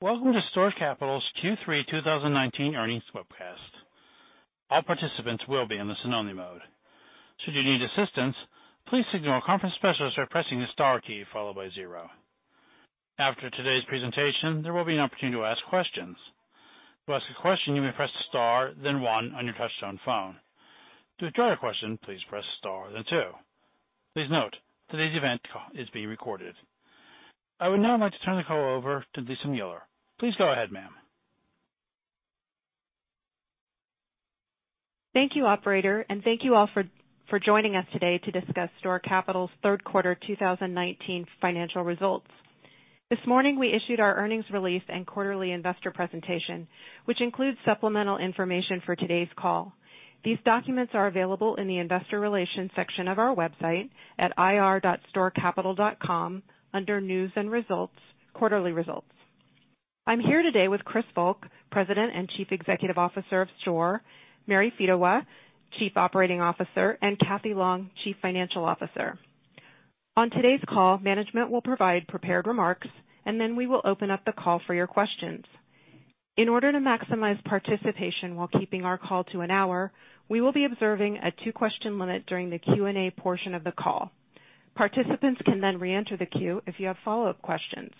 Welcome to STORE Capital's Q3 2019 earnings webcast. All participants will be in listen-only mode. Should you need assistance, please signal a conference specialist by pressing the star key followed by zero. After today's presentation, there will be an opportunity to ask questions. To ask a question, you may press star then one on your touch-tone phone. To withdraw your question, please press star then two. Please note, today's event is being recorded. I would now like to turn the call over to Lisa Mueller. Please go ahead, ma'am. Thank you, operator, thank you all for joining us today to discuss STORE Capital's third quarter 2019 financial results. This morning, we issued our earnings release and quarterly investor presentation, which includes supplemental information for today's call. These documents are available in the investor relations section of our website at ir.storecapital.com under news and results, quarterly results. I'm here today with Chris Volk, President and Chief Executive Officer of STORE, Mary Fedewa, Chief Operating Officer, and Cathy Long, Chief Financial Officer. On today's call, management will provide prepared remarks, then we will open up the call for your questions. In order to maximize participation while keeping our call to an hour, we will be observing a two-question limit during the Q&A portion of the call. Participants can reenter the queue if you have follow-up questions.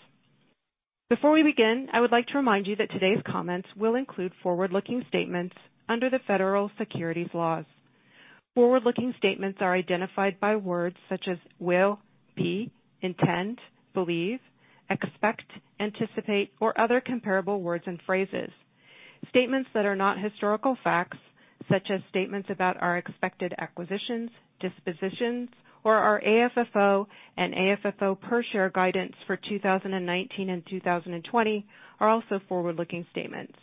Before we begin, I would like to remind you that today's comments will include forward-looking statements under the federal securities laws. Forward-looking statements are identified by words such as will, be, intend, believe, expect, anticipate, or other comparable words and phrases. Statements that are not historical facts, such as statements about our expected acquisitions, dispositions, or our AFFO and AFFO per share guidance for 2019 and 2020 are also forward-looking statements.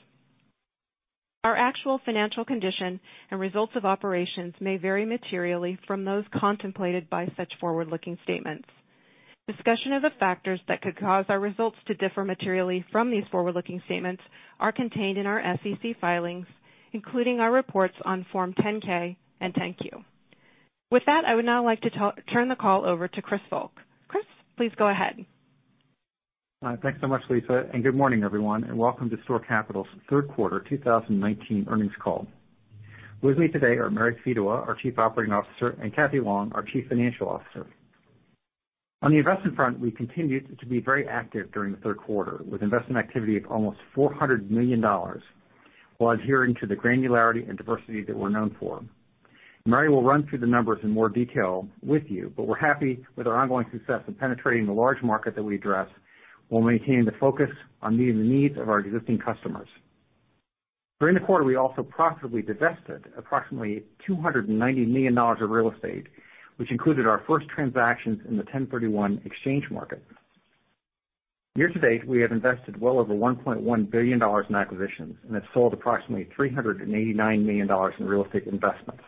Our actual financial condition and results of operations may vary materially from those contemplated by such forward-looking statements. Discussion of the factors that could cause our results to differ materially from these forward-looking statements are contained in our SEC filings, including our reports on Form 10-K and 10-Q. With that, I would now like to turn the call over to Chris Volk. Chris, please go ahead. Thanks so much, Lisa, Good morning, everyone, and welcome to STORE Capital's third quarter 2019 earnings call. With me today are Mary Fedewa, our Chief Operating Officer, and Cathy Long, our Chief Financial Officer. On the investment front, we continued to be very active during the third quarter with investment activity of almost $400 million, while adhering to the granularity and diversity that we're known for. Mary will run through the numbers in more detail with you, We're happy with our ongoing success of penetrating the large market that we address while maintaining the focus on meeting the needs of our existing customers. During the quarter, we also profitably divested approximately $290 million of real estate, which included our first transactions in the 1031 exchange market. Year to date, we have invested well over $1.1 billion in acquisitions and have sold approximately $389 million in real estate investments.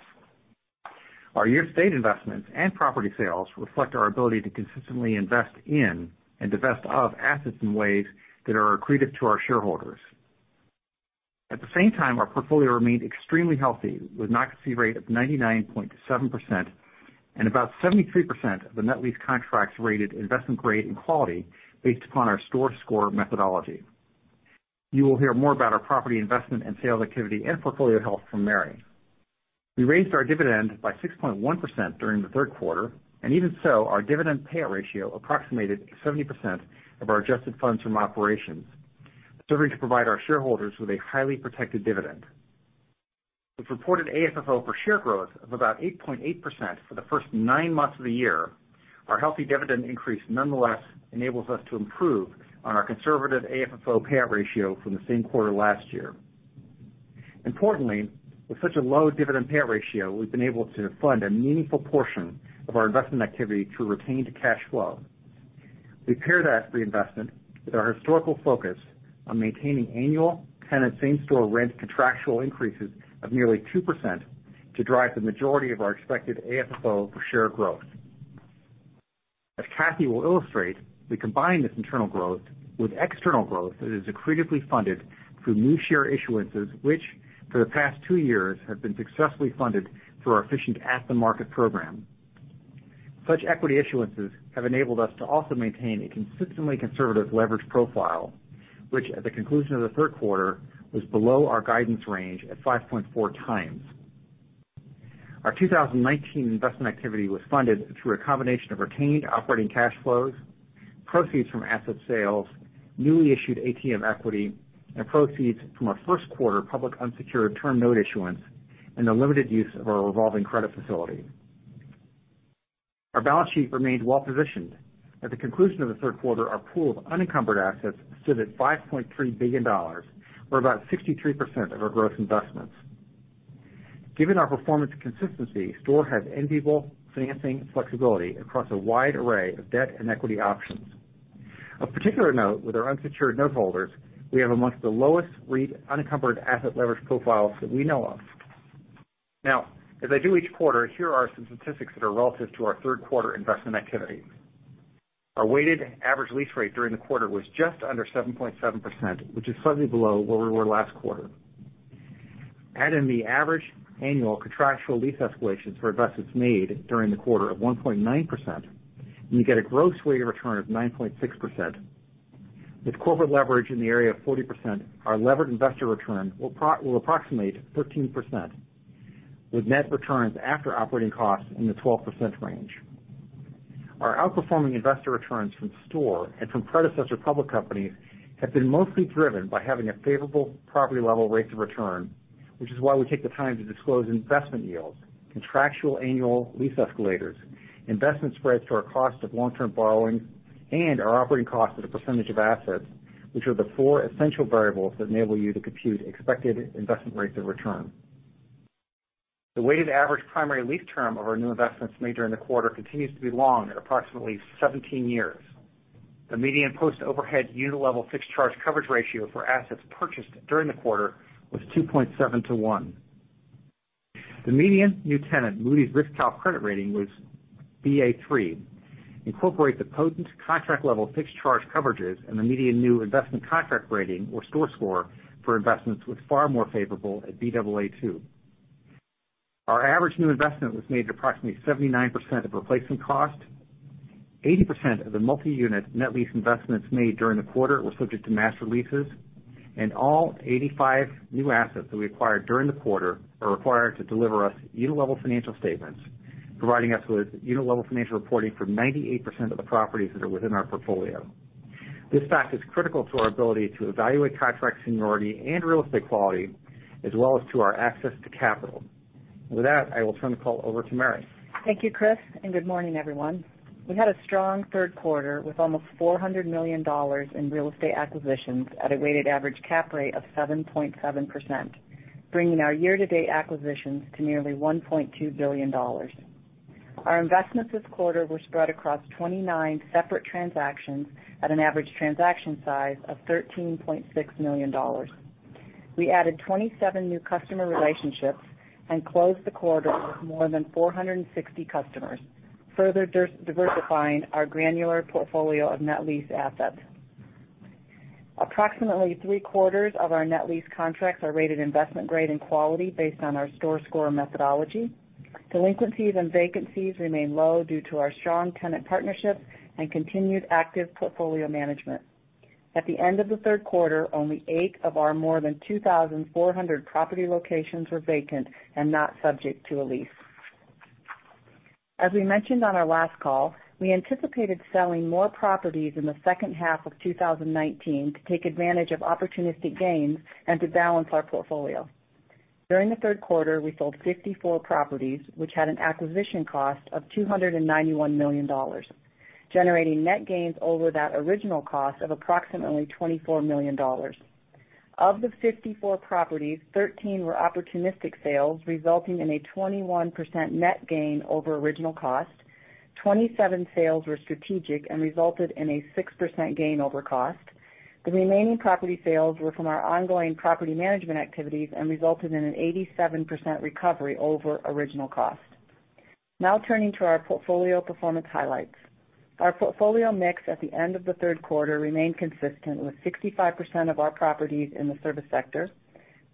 Our year-to-date investments and property sales reflect our ability to consistently invest in and divest of assets in ways that are accretive to our shareholders. At the same time, our portfolio remained extremely healthy, with an occupancy rate of 99.7% and about 73% of the net lease contracts rated investment-grade in quality based upon our STORE Score methodology. You will hear more about our property investment and sales activity and portfolio health from Mary. We raised our dividend by 6.1% during the third quarter, and even so, our dividend payout ratio approximated 70% of our adjusted funds from operations, serving to provide our shareholders with a highly protected dividend. With reported AFFO per share growth of about 8.8% for the first nine months of the year, our healthy dividend increase nonetheless enables us to improve on our conservative AFFO payout ratio from the same quarter last year. Importantly, with such a low dividend payout ratio, we've been able to fund a meaningful portion of our investment activity through retained cash flow. We pair that reinvestment with our historical focus on maintaining annual tenant same-store rent contractual increases of nearly 2% to drive the majority of our expected AFFO per share growth. As Cathy will illustrate, we combine this internal growth with external growth that is accretively funded through new share issuances, which for the past two years have been successfully funded through our efficient at-the-market program. Such equity issuances have enabled us to also maintain a consistently conservative leverage profile, which at the conclusion of the third quarter was below our guidance range at 5.4 times. Our 2019 investment activity was funded through a combination of retained operating cash flows, proceeds from asset sales, newly issued ATM equity, and proceeds from our first-quarter public unsecured term note issuance, and the limited use of our revolving credit facility. Our balance sheet remained well-positioned. At the conclusion of the third quarter, our pool of unencumbered assets stood at $5.3 billion, or about 63% of our gross investments. Given our performance consistency, STORE has enviable financing flexibility across a wide array of debt and equity options. Of particular note, with our unsecured note holders, we have amongst the lowest REIT unencumbered asset leverage profiles that we know of. As I do each quarter, here are some statistics that are relative to our third quarter investment activity. Our weighted average lease rate during the quarter was just under 7.7%, which is slightly below where we were last quarter. Add in the average annual contractual lease escalations for investments made during the quarter of 1.9%, and you get a gross weighted return of 9.6%. With corporate leverage in the area of 40%, our levered investor return will approximate 13%, with net returns after operating costs in the 12% range. Our outperforming investor returns from STORE and from predecessor public companies have been mostly driven by having a favorable property-level rates of return, which is why we take the time to disclose investment yields, contractual annual lease escalators, investment spreads to our cost of long-term borrowings, and our operating costs as a percentage of assets, which are the four essential variables that enable you to compute expected investment rates of return. The weighted average primary lease term of our new investments made during the quarter continues to be long at approximately 17 years. The median post-overhead unit-level fixed charge coverage ratio for assets purchased during the quarter was 2.7 to one. The median new tenant Moody's RiskCalc credit rating was Baa3. Incorporate the potent contract level fixed charge coverages, and the median new investment contract rating or STORE Score for investments was far more favorable at Baa2. Our average new investment was made at approximately 79% of replacement cost. 80% of the multi-unit net lease investments made during the quarter were subject to master leases, and all 85 new assets that we acquired during the quarter are required to deliver us unit-level financial statements, providing us with unit-level financial reporting for 98% of the properties that are within our portfolio. This fact is critical to our ability to evaluate contract seniority and real estate quality, as well as to our access to capital. With that, I will turn the call over to Mary. Thank you, Chris, good morning, everyone. We had a strong third quarter with almost $400 million in real estate acquisitions at a weighted average cap rate of 7.7%, bringing our year-to-date acquisitions to nearly $1.2 billion. Our investments this quarter were spread across 29 separate transactions at an average transaction size of $13.6 million. We added 27 new customer relationships and closed the quarter with more than 460 customers, further diversifying our granular portfolio of net lease assets. Approximately three-quarters of our net lease contracts are rated investment-grade in quality based on our STORE Score methodology. Delinquencies and vacancies remain low due to our strong tenant partnerships and continued active portfolio management. At the end of the third quarter, only eight of our more than 2,400 property locations were vacant and not subject to a lease. As we mentioned on our last call, we anticipated selling more properties in the second half of 2019 to take advantage of opportunistic gains and to balance our portfolio. During the third quarter, we sold 54 properties, which had an acquisition cost of $291 million, generating net gains over that original cost of approximately $24 million. Of the 54 properties, 13 were opportunistic sales, resulting in a 21% net gain over original cost. 27 sales were strategic and resulted in a 6% gain over cost. The remaining property sales were from our ongoing property management activities and resulted in an 87% recovery over original cost. Now turning to our portfolio performance highlights. Our portfolio mix at the end of the third quarter remained consistent with 65% of our properties in the service sector,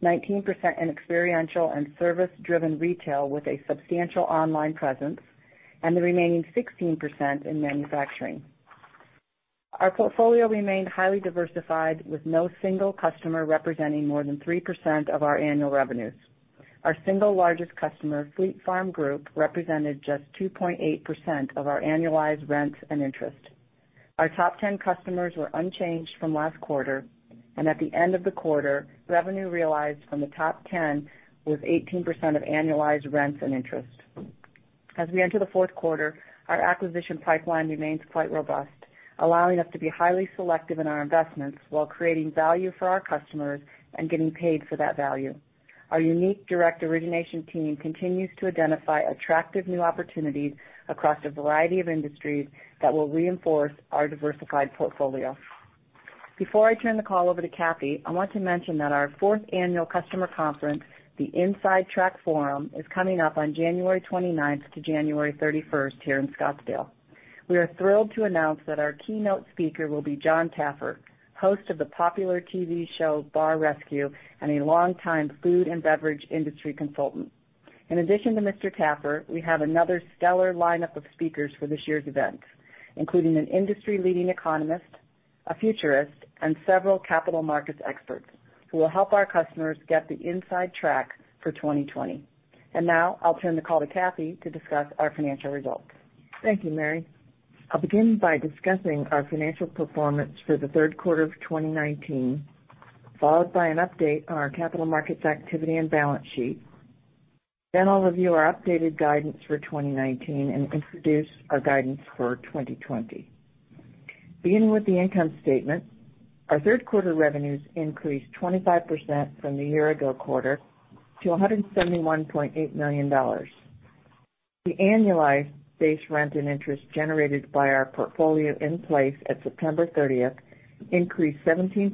19% in experiential and service-driven retail with a substantial online presence, and the remaining 16% in manufacturing. Our portfolio remained highly diversified, with no single customer representing more than 3% of our annual revenues. Our single largest customer, Fleet Farm Group, represented just 2.8% of our annualized rents and interest. Our top 10 customers were unchanged from last quarter, and at the end of the quarter, revenue realized from the top 10 was 18% of annualized rents and interest. As we enter the fourth quarter, our acquisition pipeline remains quite robust, allowing us to be highly selective in our investments while creating value for our customers and getting paid for that value. Our unique direct origination team continues to identify attractive new opportunities across a variety of industries that will reinforce our diversified portfolio. Before I turn the call over to Kathy, I want to mention that our fourth annual customer conference, the Inside Track Forum, is coming up on January 29th to January 31st here in Scottsdale. We are thrilled to announce that our keynote speaker will be Jon Taffer, host of the popular TV show, "Bar Rescue," and a long-time food and beverage industry consultant. In addition to Mr. Taffer, we have another stellar lineup of speakers for this year's event, including an industry-leading economist, a futurist, and several capital markets experts who will help our customers get the inside track for 2020. Now I'll turn the call to Kathy to discuss our financial results. Thank you, Mary. I'll begin by discussing our financial performance for the third quarter of 2019, followed by an update on our capital markets activity and balance sheet. I'll review our updated guidance for 2019 and introduce our guidance for 2020. Beginning with the income statement, our third quarter revenues increased 25% from the year-ago quarter to $171.8 million. The annualized base rent and interest generated by our portfolio in place at September 30th increased 17%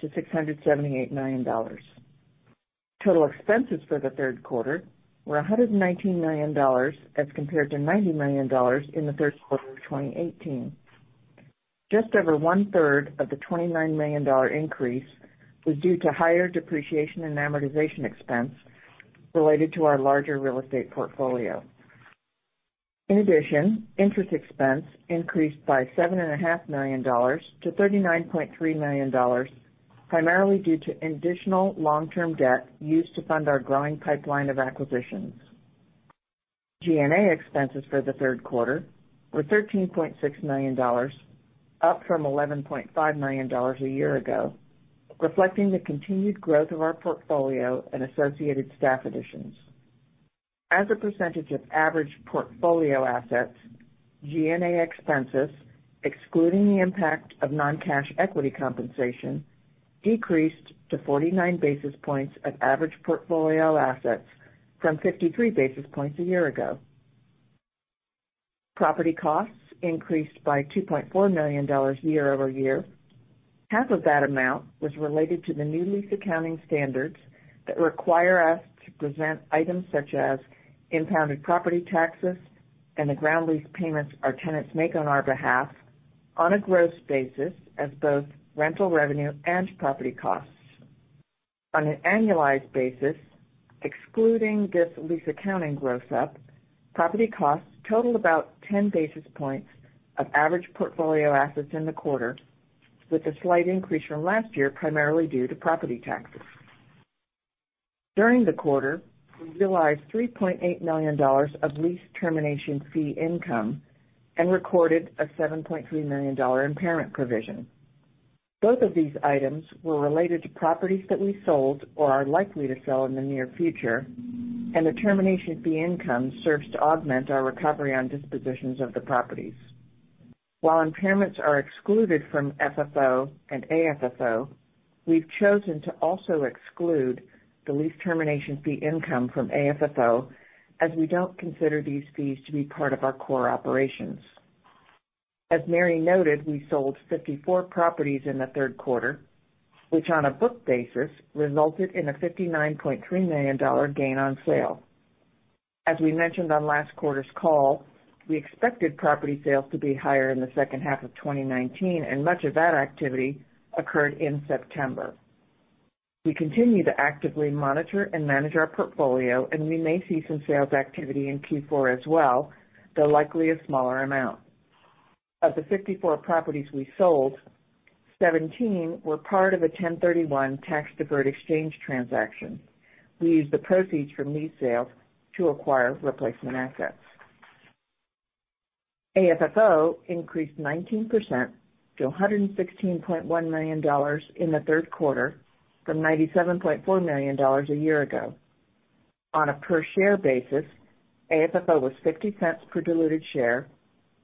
to $678 million. Total expenses for the third quarter were $119 million as compared to $90 million in the third quarter of 2018. Just over one-third of the $29 million increase was due to higher depreciation and amortization expense related to our larger real estate portfolio. In addition, interest expense increased by $7.5 million to $39.3 million, primarily due to additional long-term debt used to fund our growing pipeline of acquisitions. G&A expenses for the third quarter were $13.6 million, up from $11.5 million a year ago, reflecting the continued growth of our portfolio and associated staff additions. As a percentage of average portfolio assets, G&A expenses, excluding the impact of non-cash equity compensation, decreased to 49 basis points of average portfolio assets from 53 basis points a year ago. Property costs increased by $2.4 million year-over-year. Half of that amount was related to the new lease accounting standards that require us to present items such as impounded property taxes and the ground lease payments our tenants make on our behalf on a gross basis as both rental revenue and property costs. On an annualized basis, excluding this lease accounting gross-up, property costs totaled about 10 basis points of average portfolio assets in the quarter, with a slight increase from last year, primarily due to property taxes. During the quarter, we realized $3.8 million of lease termination fee income and recorded a $7.3 million impairment provision. Both of these items were related to properties that we sold or are likely to sell in the near future, and the termination fee income serves to augment our recovery on dispositions of the properties. While impairments are excluded from FFO and AFFO, we've chosen to also exclude the lease termination fee income from AFFO, as we don't consider these fees to be part of our core operations. As Mary noted, we sold 54 properties in the third quarter, which on a book basis resulted in a $59.3 million gain on sale. As we mentioned on last quarter's call, we expected property sales to be higher in the second half of 2019, and much of that activity occurred in September. We continue to actively monitor and manage our portfolio, and we may see some sales activity in Q4 as well, though likely a smaller amount. Of the 54 properties we sold, 17 were part of a 1031 tax-deferred exchange transaction. We used the proceeds from these sales to acquire replacement assets. AFFO increased 19% to $116.1 million in the third quarter from $97.4 million a year ago. On a per share basis, AFFO was $0.50 per diluted share,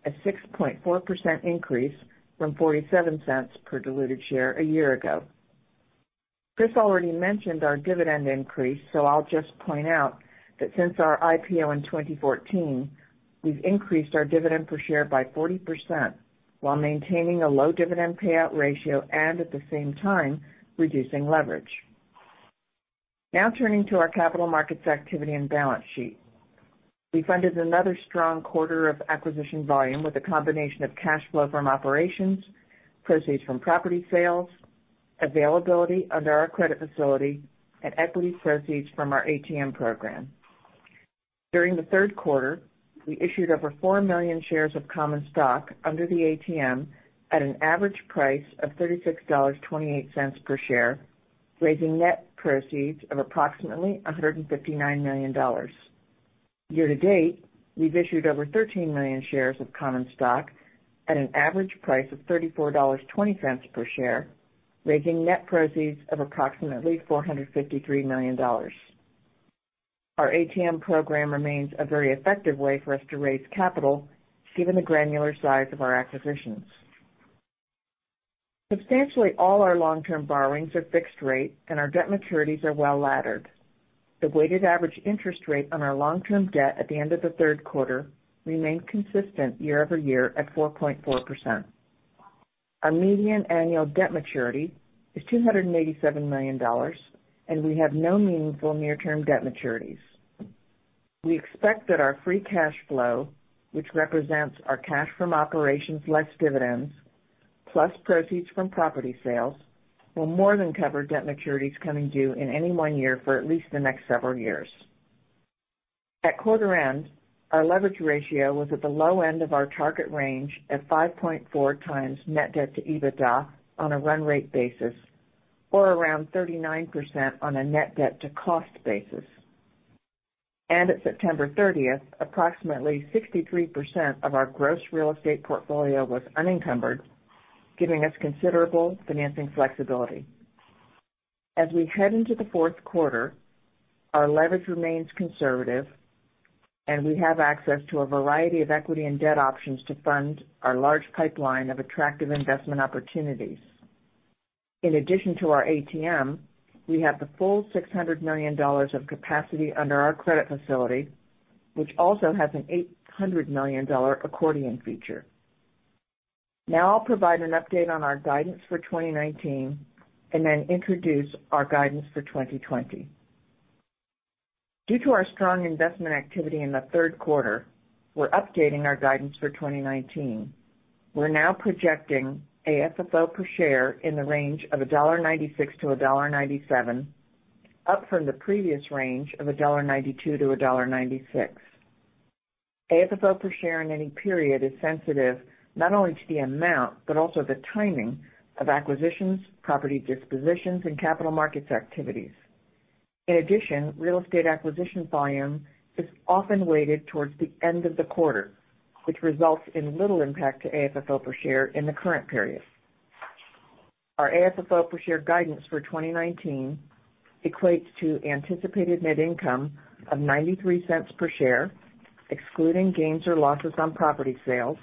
a 6.4% increase from $0.47 per diluted share a year ago. Chris already mentioned our dividend increase, so I'll just point out that since our IPO in 2014, we've increased our dividend per share by 40% while maintaining a low dividend payout ratio and at the same time reducing leverage. Turning to our capital markets activity and balance sheet. We funded another strong quarter of acquisition volume with a combination of cash flow from operations, proceeds from property sales, availability under our credit facility, and equity proceeds from our ATM program. During the third quarter, we issued over 4 million shares of common stock under the ATM at an average price of $36.28 per share, raising net proceeds of approximately $159 million. Year to date, we've issued over 13 million shares of common stock at an average price of $34.20 per share, raising net proceeds of approximately $453 million. Our ATM program remains a very effective way for us to raise capital given the granular size of our acquisitions. Substantially all our long-term borrowings are fixed rate, and our debt maturities are well-laddered. The weighted average interest rate on our long-term debt at the end of the third quarter remained consistent year-over-year at 4.4%. Our median annual debt maturity is $287 million, and we have no meaningful near-term debt maturities. We expect that our free cash flow, which represents our cash from operations less dividends, plus proceeds from property sales, will more than cover debt maturities coming due in any one year for at least the next several years. At quarter end, our leverage ratio was at the low end of our target range at 5.4 times net debt to EBITDA on a run rate basis or around 39% on a net debt to cost basis. At September 30th, approximately 63% of our gross real estate portfolio was unencumbered, giving us considerable financing flexibility. As we head into the fourth quarter, our leverage remains conservative, and we have access to a variety of equity and debt options to fund our large pipeline of attractive investment opportunities. In addition to our ATM, we have the full $600 million of capacity under our credit facility, which also has an $800 million accordion feature. I'll provide an update on our guidance for 2019 and then introduce our guidance for 2020. Due to our strong investment activity in the third quarter, we're updating our guidance for 2019. We're now projecting AFFO per share in the range of $1.96-$1.97, up from the previous range of $1.92-$1.96. AFFO per share in any period is sensitive not only to the amount, but also the timing of acquisitions, property dispositions, and capital markets activities. Real estate acquisition volume is often weighted towards the end of the quarter, which results in little impact to AFFO per share in the current period. Our AFFO per share guidance for 2019 equates to anticipated net income of $0.93 per share, excluding gains or losses on property sales,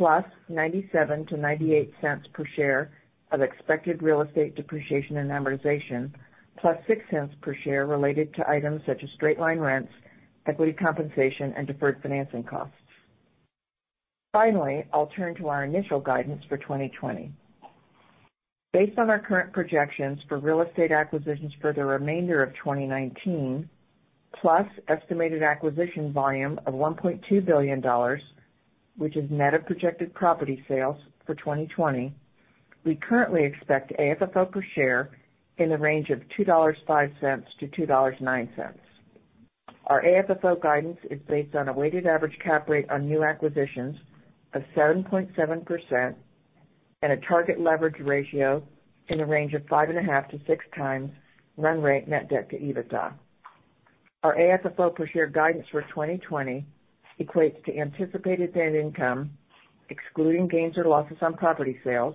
plus $0.97-$0.98 per share of expected real estate depreciation and amortization, plus $0.06 per share related to items such as straight-line rents, equity compensation, and deferred financing costs. Finally, I'll turn to our initial guidance for 2020. Based on our current projections for real estate acquisitions for the remainder of 2019, plus estimated acquisition volume of $1.2 billion, which is net of projected property sales for 2020, we currently expect AFFO per share in the range of $2.05-$2.09. Our AFFO guidance is based on a weighted average cap rate on new acquisitions of 7.7% and a target leverage ratio in the range of 5.5-6 times run rate net debt to EBITDA. Our AFFO per share guidance for 2020 equates to anticipated net income, excluding gains or losses on property sales,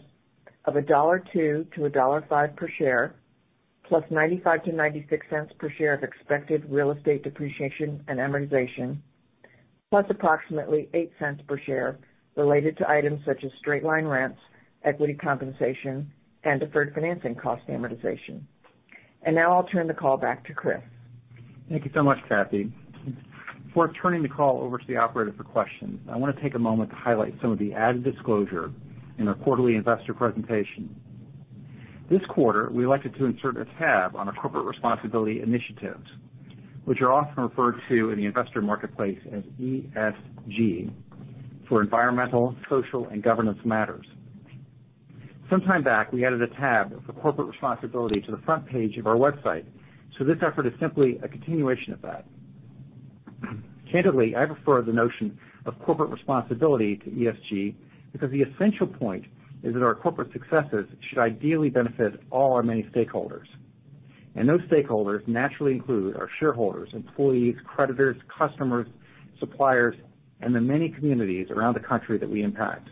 of $1.02-$1.05 per share, plus $0.95-$0.96 per share of expected real estate depreciation and amortization, plus approximately $0.08 per share related to items such as straight-line rents, equity compensation, and deferred financing cost amortization. Now I'll turn the call back to Chris. Thank you so much, Cathy. Before turning the call over to the operator for questions, I want to take a moment to highlight some of the added disclosure in our quarterly investor presentation. This quarter, we elected to insert a tab on our corporate responsibility initiatives, which are often referred to in the investor marketplace as ESG, for environmental, social, and governance matters. Sometime back, we added a tab for corporate responsibility to the front page of our website, so this effort is simply a continuation of that. Candidly, I prefer the notion of corporate responsibility to ESG because the essential point is that our corporate successes should ideally benefit all our many stakeholders, and those stakeholders naturally include our shareholders, employees, creditors, customers, suppliers, and the many communities around the country that we impact.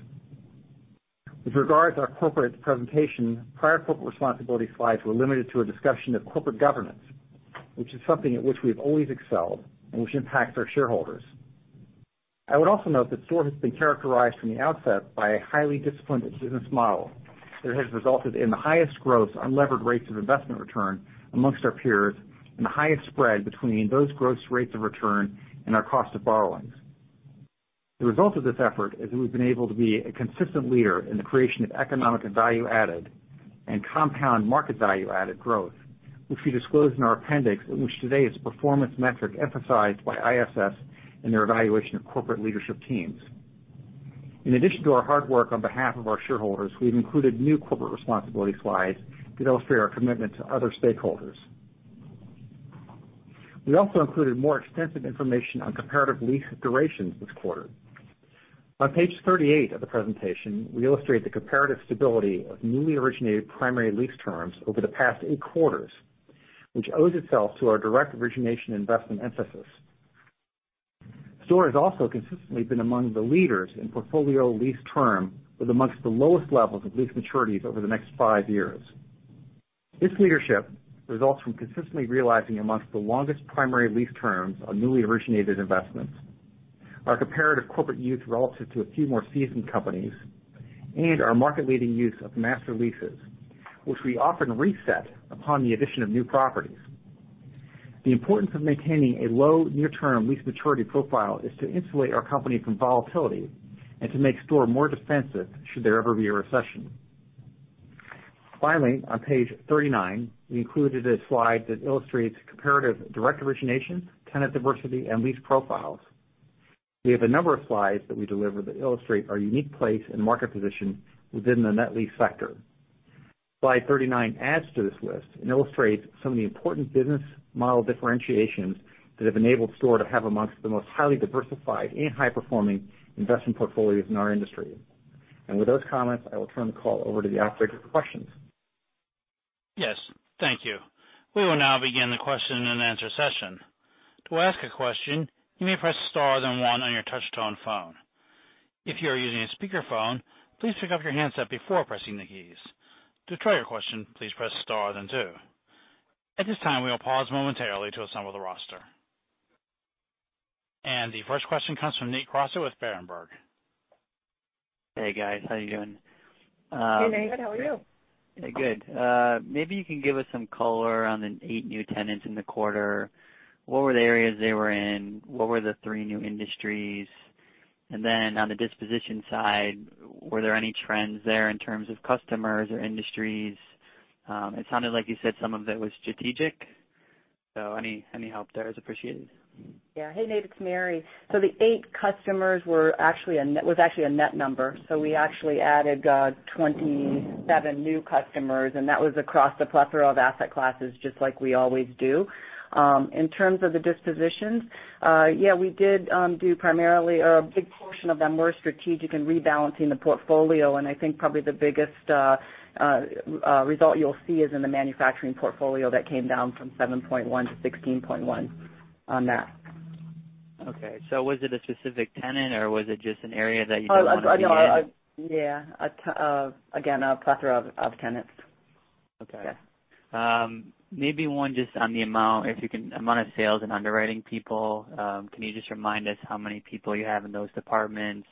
With regard to our corporate presentation, prior corporate responsibility slides were limited to a discussion of corporate governance, which is something at which we have always excelled and which impacts our shareholders. I would also note that STORE has been characterized from the outset by a highly disciplined business model that has resulted in the highest gross unlevered rates of investment return amongst our peers and the highest spread between those gross rates of return and our cost of borrowings. The result of this effort is that we've been able to be a consistent leader in the creation of economic and value-added and compound market value-added growth, which we disclose in our appendix, in which today is a performance metric emphasized by ISS in their evaluation of corporate leadership teams. In addition to our hard work on behalf of our shareholders, we've included new corporate responsibility slides to illustrate our commitment to other stakeholders. We also included more extensive information on comparative lease durations this quarter. On page 38 of the presentation, we illustrate the comparative stability of newly originated primary lease terms over the past eight quarters, which owes itself to our direct origination investment emphasis. STORE has also consistently been among the leaders in portfolio lease term with amongst the lowest levels of lease maturities over the next five years. This leadership results from consistently realizing amongst the longest primary lease terms on newly originated investments. Our comparative corporate youth relative to a few more seasoned companies and our market-leading use of master leases, which we often reset upon the addition of new properties. The importance of maintaining a low near-term lease maturity profile is to insulate our company from volatility and to make STORE more defensive should there ever be a recession. On page 39, we included a slide that illustrates comparative direct origination, tenant diversity, and lease profiles. We have a number of slides that we deliver that illustrate our unique place and market position within the net lease sector. Slide 39 adds to this list and illustrates some of the important business model differentiations that have enabled STORE to have amongst the most highly diversified and high-performing investment portfolios in our industry. With those comments, I will turn the call over to the operator for questions. Yes. Thank you. We will now begin the question and answer session. To ask a question, you may press star then one on your touch-tone phone. If you are using a speakerphone, please pick up your handset before pressing the keys. To withdraw your question, please press star then two. At this time, we will pause momentarily to assemble the roster. The first question comes from Nate Crossett with Berenberg. Hey, guys. How you doing? Hey, Nate. How are you? Good. Maybe you can give us some color on the eight new tenants in the quarter. What were the areas they were in? What were the three new industries? On the disposition side, were there any trends there in terms of customers or industries? It sounded like you said some of it was strategic, so any help there is appreciated. Yeah. Hey, Nate, it's Mary. The eight customers was actually a net number. We actually added 27 new customers, that was across the plethora of asset classes, just like we always do. In terms of the dispositions, yeah, we did do primarily a big portion of them were strategic and rebalancing the portfolio, and I think probably the biggest result you'll see is in the manufacturing portfolio that came down from 7.1 to 16.1 on that. Okay. Was it a specific tenant or was it just an area that you didn't want to be in? Yeah. Again, a plethora of tenants. Okay. Yeah. Maybe one just on the amount, if you can, amount of sales and underwriting people, can you just remind us how many people you have in those departments,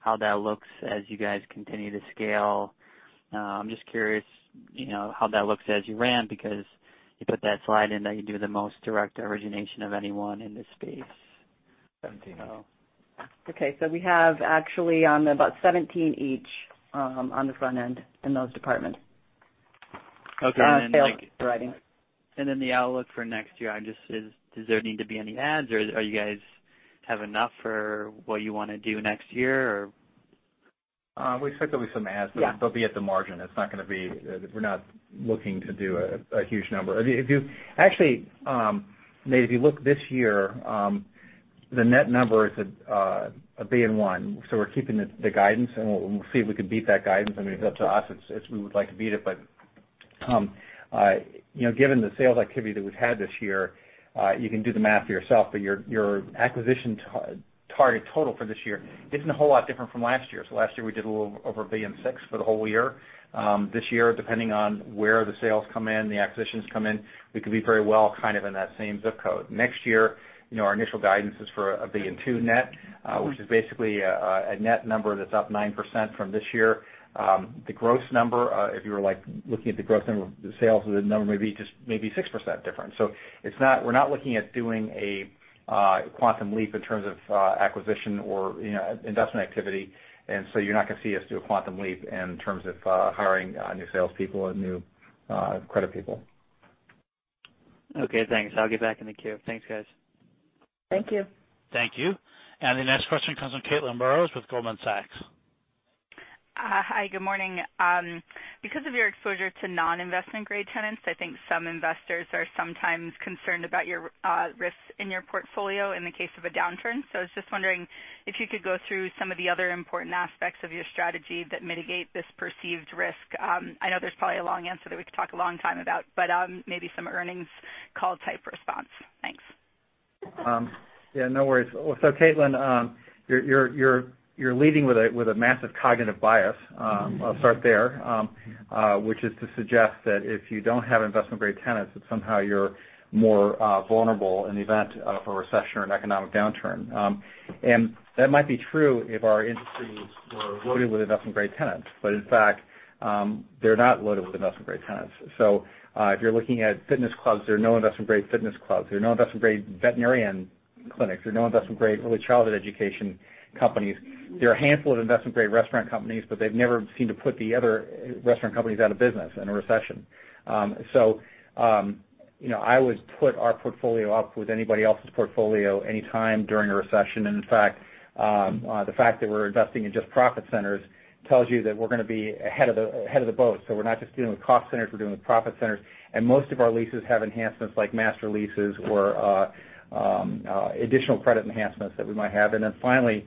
how that looks as you guys continue to scale? I'm just curious, how that looks as you ran because you put that slide in that you do the most direct origination of anyone in this space. Seventeen. Okay. We have actually about 17 each, on the front end in those departments. Okay. Sales, underwriting. The outlook for next year, does there need to be any adds or are you guys have enough for what you want to do next year? We expect there'll be some adds. Yeah They'll be at the margin. We're not looking to do a huge number. Actually, Nate, if you look this year, the net number is $1.1 billion. We're keeping the guidance, and we'll see if we can beat that guidance. I mean, it's up to us, we would like to beat it, but given the sales activity that we've had this year, you can do the math for yourself, but your acquisition target total for this year isn't a whole lot different from last year. Last year, we did a little over $1.6 billion for the whole year. This year, depending on where the sales come in, the acquisitions come in, we could be very well kind of in that same zip code. Next year, our initial guidance is for $1.2 billion net, which is basically a net number that's up 9% from this year. The gross number, if you were looking at the gross number, the sales, the number may be just 6% different. We're not looking at doing a quantum leap in terms of acquisition or investment activity, and so you're not going to see us do a quantum leap in terms of hiring new salespeople and new credit people. Okay, thanks. I'll get back in the queue. Thanks, guys. Thank you. Thank you. The next question comes from Caitlin Burrows with Goldman Sachs. Hi. Good morning. Because of your exposure to non-investment grade tenants, I think some investors are sometimes concerned about your risks in your portfolio in the case of a downturn. I was just wondering if you could go through some of the other important aspects of your strategy that mitigate this perceived risk. I know there's probably a long answer that we could talk a long time about, but maybe some earnings call-type response. Thanks. Yeah, no worries. Caitlin, you're leading with a massive cognitive bias. I'll start there, which is to suggest that if you don't have investment-grade tenants, that somehow you're more vulnerable in the event of a recession or an economic downturn. That might be true if our industries were loaded with investment-grade tenants. In fact, they're not loaded with investment-grade tenants. If you're looking at fitness clubs, there are no investment-grade fitness clubs. There are no investment-grade veterinarian clinics. There are no investment-grade early childhood education companies. There are a handful of investment-grade restaurant companies, but they've never seemed to put the other restaurant companies out of business in a recession. I would put our portfolio up with anybody else's portfolio anytime during a recession. In fact, the fact that we're investing in just profit centers tells you that we're going to be ahead of the boat. We're not just dealing with cost centers, we're dealing with profit centers. Most of our leases have enhancements like master leases or additional credit enhancements that we might have. Finally,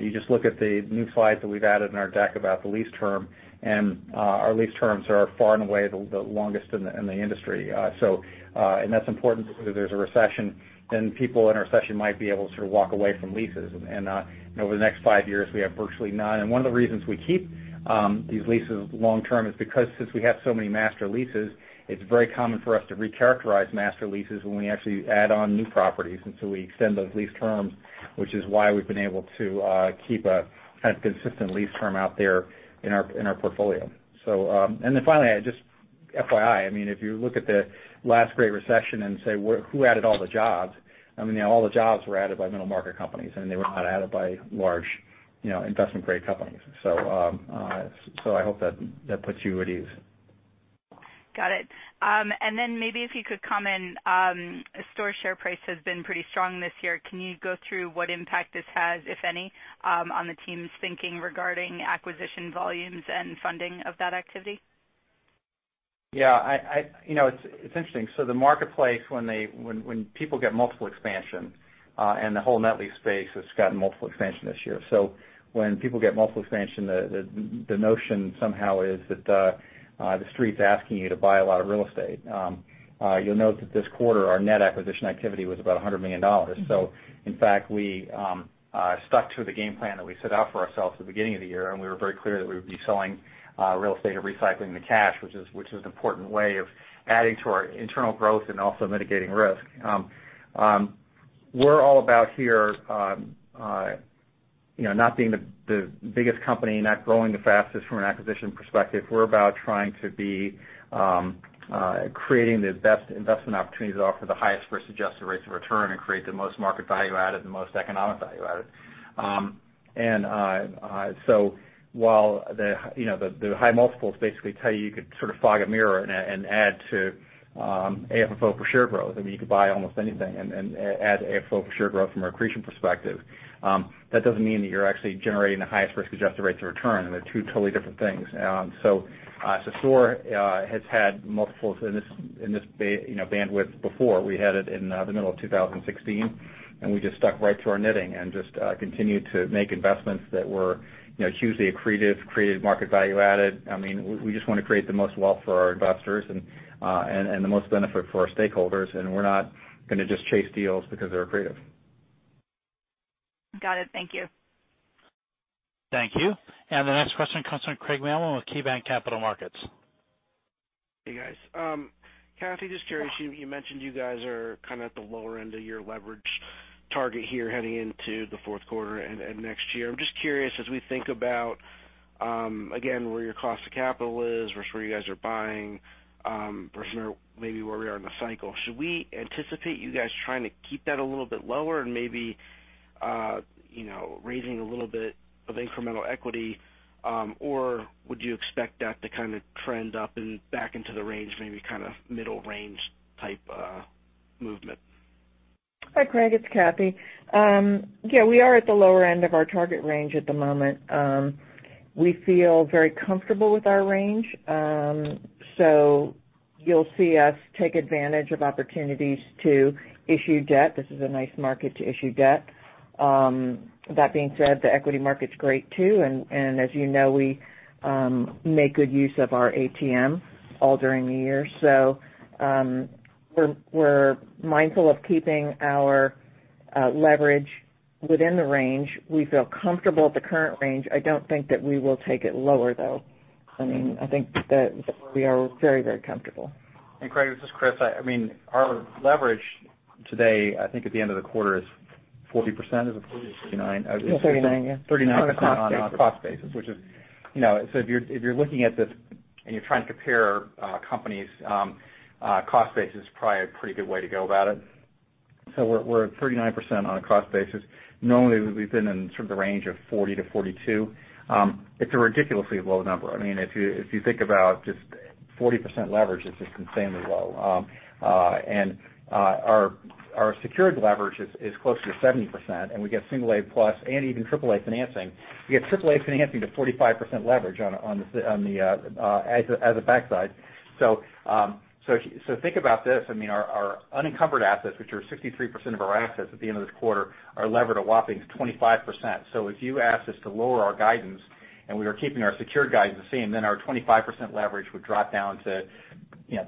you just look at the new slides that we've added in our deck about the lease term, and our lease terms are far and away the longest in the industry. That's important because if there's a recession, then people in a recession might be able to sort of walk away from leases. Over the next five years, we have virtually none. One of the reasons we keep these leases long-term is because since we have so many master leases, it's very common for us to recharacterize master leases when we actually add on new properties. We extend those lease terms, which is why we've been able to keep a kind of consistent lease term out there in our portfolio. Finally, just FYI, if you look at the last great recession and say, "Who added all the jobs?" All the jobs were added by middle-market companies, and they were not added by large investment-grade companies. I hope that puts you at ease. Got it. Maybe if you could comment, STORE share price has been pretty strong this year. Can you go through what impact this has, if any, on the team's thinking regarding acquisition volumes and funding of that activity? Yeah. It's interesting. The marketplace, when people get multiple expansion, and the whole net lease space has gotten multiple expansion this year. When people get multiple expansion, the notion somehow is that the street's asking you to buy a lot of real estate. You'll note that this quarter, our net acquisition activity was about $100 million. In fact, we stuck to the game plan that we set out for ourselves at the beginning of the year, and we were very clear that we would be selling real estate and recycling the cash, which is an important way of adding to our internal growth and also mitigating risk. We're all about here not being the biggest company, not growing the fastest from an acquisition perspective. We're about trying to be creating the best investment opportunities that offer the highest risk-adjusted rates of return and create the most market value added, the most economic value added. While the high multiples basically tell you could fog a mirror and add to AFFO per share growth. You could buy almost anything and add AFFO per share growth from accretion perspective. That doesn't mean that you're actually generating the highest risk-adjusted rates of return. They're two totally different things. STORE has had multiples in this bandwidth before. We had it in the middle of 2016, and we just stuck right to our knitting and just continued to make investments that were hugely accretive, created market value added. We just want to create the most wealth for our investors and the most benefit for our stakeholders. We're not going to just chase deals because they're accretive. Got it. Thank you. Thank you. The next question comes from Craig Mailman with KeyBanc Capital Markets. Hey, guys. Kathy, just curious, you mentioned you guys are at the lower end of your leverage target here heading into the fourth quarter and next year. I'm just curious, as we think about, again, where your cost of capital is versus where you guys are buying, versus maybe where we are in the cycle. Should we anticipate you guys trying to keep that a little bit lower and maybe raising a little bit of incremental equity? Would you expect that to trend up and back into the range, maybe middle range type movement? Hi, Craig. It's Kathy. Yeah, we are at the lower end of our target range at the moment. We feel very comfortable with our range. You'll see us take advantage of opportunities to issue debt. This is a nice market to issue debt. That being said, the equity market's great too. As you know, we make good use of our ATM all during the year. We're mindful of keeping our leverage within the range. We feel comfortable at the current range. I don't think that we will take it lower, though. I think that we are very, very comfortable. Craig, this is Chris. Our leverage today, I think at the end of the quarter is 40%. Is it 40% or 39%? 39%, yeah. 39% on a cost basis. If you're looking at this and you're trying to compare companies, cost basis is probably a pretty good way to go about it. We're at 39% on a cost basis. Normally, we've been in sort of the range of 40%-42%. It's a ridiculously low number. If you think about just 40% leverage is just insanely low. Our secured leverage is closer to 70%, and we get single A plus and even triple A financing. We get triple A financing to 45% leverage as a backside. Think about this. Our unencumbered assets, which are 63% of our assets at the end of this quarter, are levered a whopping 25%. If you asked us to lower our guidance and we were keeping our secured guidance the same, then our 25% leverage would drop down to 20%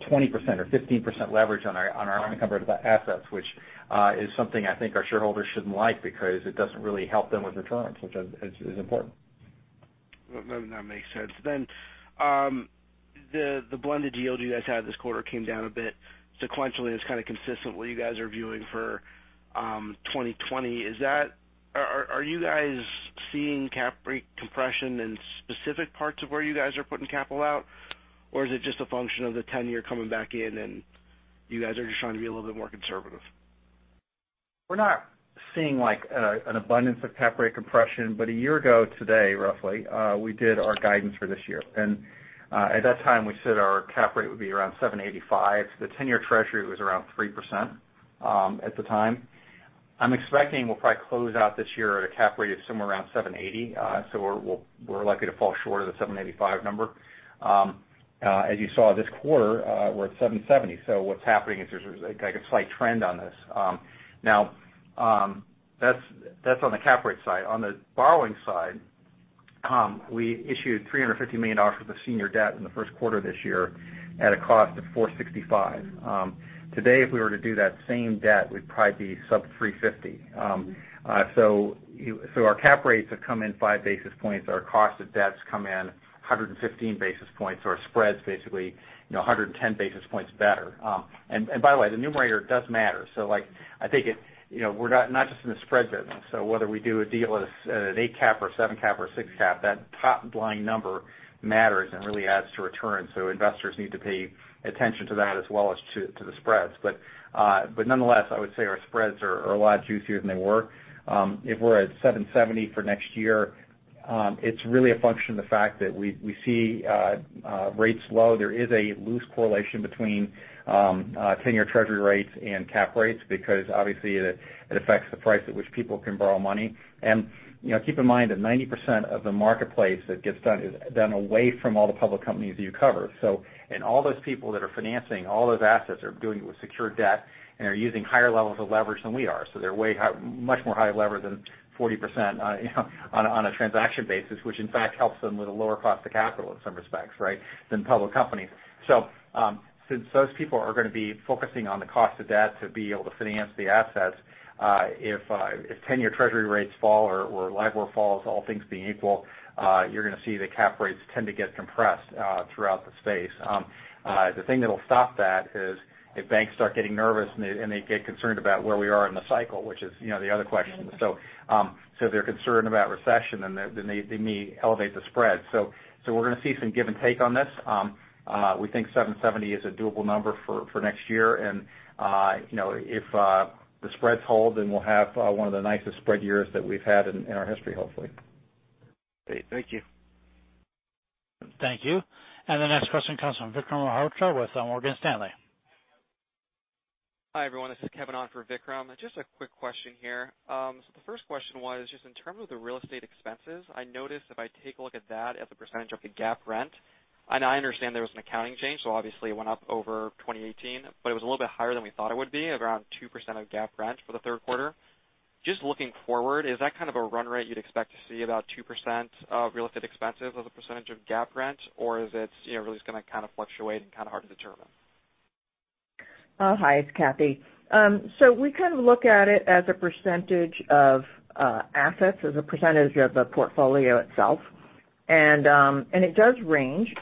or 15% leverage on our unencumbered assets, which is something I think our shareholders shouldn't like because it doesn't really help them with returns, which is important. No, that makes sense. The blended yield you guys had this quarter came down a bit sequentially and is kind of consistent what you guys are viewing for 2020. Are you guys seeing cap rate compression in specific parts of where you guys are putting capital out, or is it just a function of the 10-year coming back in and you guys are just trying to be a little bit more conservative? We're not seeing an abundance of cap rate compression. A year ago today, roughly, we did our guidance for this year. At that time, we said our cap rate would be around 7.85%. The 10-year Treasury was around 3% at the time. I'm expecting we'll probably close out this year at a cap rate of somewhere around 7.80%. We're likely to fall short of the 7.85% number. As you saw this quarter, we're at 7.70%. What's happening is there's a slight trend on this. Now, that's on the cap rate side. On the borrowing side, we issued $350 million worth of senior debt in the first quarter this year at a cost of 4.65%. Today, if we were to do that same debt, we'd probably be sub 3.50%. Our cap rates have come in five basis points. Our cost of debts come in 115 basis points. Our spread's basically 110 basis points better. By the way, the numerator does matter. Like, I take it, we're not just in the spread business. Whether we do a deal at an eight cap or a seven cap or a six cap, that top-line number matters and really adds to return. Investors need to pay attention to that as well as to the spreads. Nonetheless, I would say our spreads are a lot juicier than they were. If we're at 770 for next year, it's really a function of the fact that we see rates low. There is a loose correlation between 10-year Treasury rates and cap rates because obviously it affects the price at which people can borrow money. Keep in mind that 90% of the marketplace that gets done is done away from all the public companies you cover. All those people that are financing all those assets are doing it with secured debt and are using higher levels of leverage than we are. They're much more high leverage than 40% on a transaction basis, which in fact helps them with a lower cost of capital in some respects than public companies. Since those people are going to be focusing on the cost of debt to be able to finance the assets, if 10-year Treasury rates fall or LIBOR falls, all things being equal, you're going to see the cap rates tend to get compressed throughout the space. The thing that'll stop that is if banks start getting nervous and they get concerned about where we are in the cycle, which is the other question. They're concerned about recession, then they may elevate the spread. We're going to see some give and take on this. We think 770 is a doable number for next year. If the spreads hold, then we'll have one of the nicest spread years that we've had in our history, hopefully. Great. Thank you. Thank you. The next question comes from Vikram Malhotra with Morgan Stanley. Hi, everyone. This is Kevin on for Vikram. A quick question here. The first question was just in terms of the real estate expenses, I noticed if I take a look at that as a percentage of the GAAP rent, and I understand there was an accounting change, so obviously it went up over 2018, but it was a little bit higher than we thought it would be, around 2% of GAAP rent for the third quarter. Looking forward, is that kind of a run rate you'd expect to see about 2% of real estate expenses as a percentage of GAAP rent or is it really just going to kind of fluctuate and kind of hard to determine? Hi, it's Kathy. We kind of look at it as a % of assets, as a % of the portfolio itself. It does range.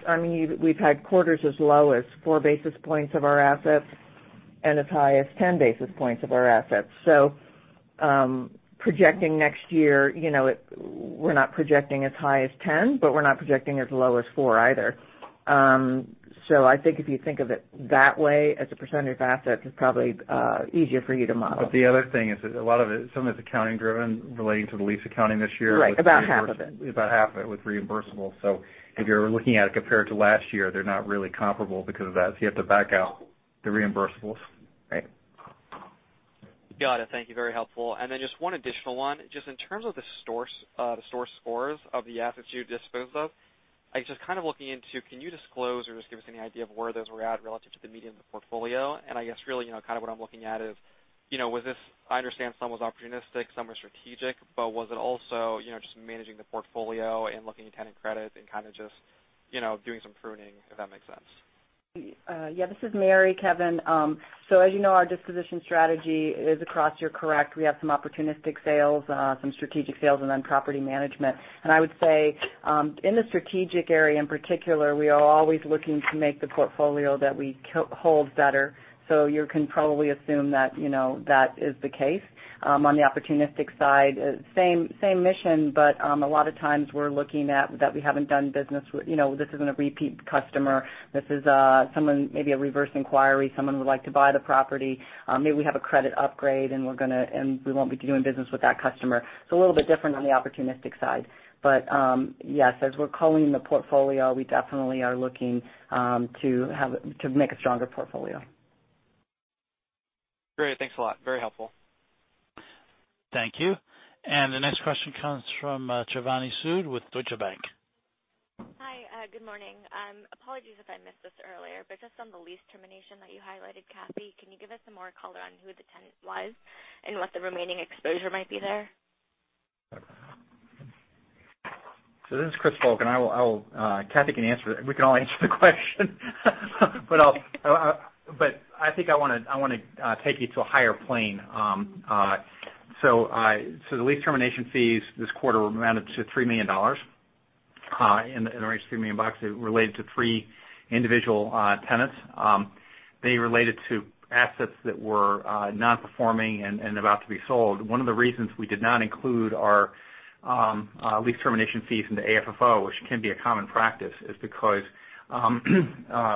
We've had quarters as low as four basis points of our assets and as high as 10 basis points of our assets. Projecting next year, we're not projecting as high as 10, but we're not projecting as low as four either. I think if you think of it that way, as a % of assets, it's probably easier for you to model. The other thing is that some of it's accounting-driven relating to the lease accounting this year. Right. About half of it. About half of it was reimbursable. If you're looking at it compared to last year, they're not really comparable because of that, so you have to back out the reimbursables. Got it. Thank you. Very helpful. Just one additional one. Just in terms of the STORE scores of the assets you disposed of, I'm just kind of looking into, can you disclose or just give us any idea of where those were at relative to the median of the portfolio? I guess really, kind of what I'm looking at is, I understand some was opportunistic, some were strategic, but was it also just managing the portfolio and looking at tenant credits and kind of just doing some pruning, if that makes sense? This is Mary, Kevin. As you know, our disposition strategy is across, you're correct. We have some opportunistic sales, some strategic sales, and then property management. I would say, in the strategic area in particular, we are always looking to make the portfolio that we hold better. You can probably assume that is the case. On the opportunistic side, same mission, but a lot of times we're looking at that we haven't done business with. This isn't a repeat customer. This is someone, maybe a reverse inquiry, someone would like to buy the property. Maybe we have a credit upgrade and we won't be doing business with that customer. It's a little bit different on the opportunistic side. Yes, as we're culling the portfolio, we definitely are looking to make a stronger portfolio. Great. Thanks a lot. Very helpful. Thank you. The next question comes from Shivani Sood with Deutsche Bank. Hi. Good morning. Apologies if I missed this earlier, just on the lease termination that you highlighted, Kathy, can you give us some more color on who the tenant was and what the remaining exposure might be there? This is Chris Volk. Cathy can answer it. We can all answer the question. I think I want to take you to a higher plane. The lease termination fees this quarter amounted to $3 million, in the range of $3 million. It related to three individual tenants. They related to assets that were non-performing and about to be sold. One of the reasons we did not include our lease termination fees in the AFFO, which can be a common practice, is because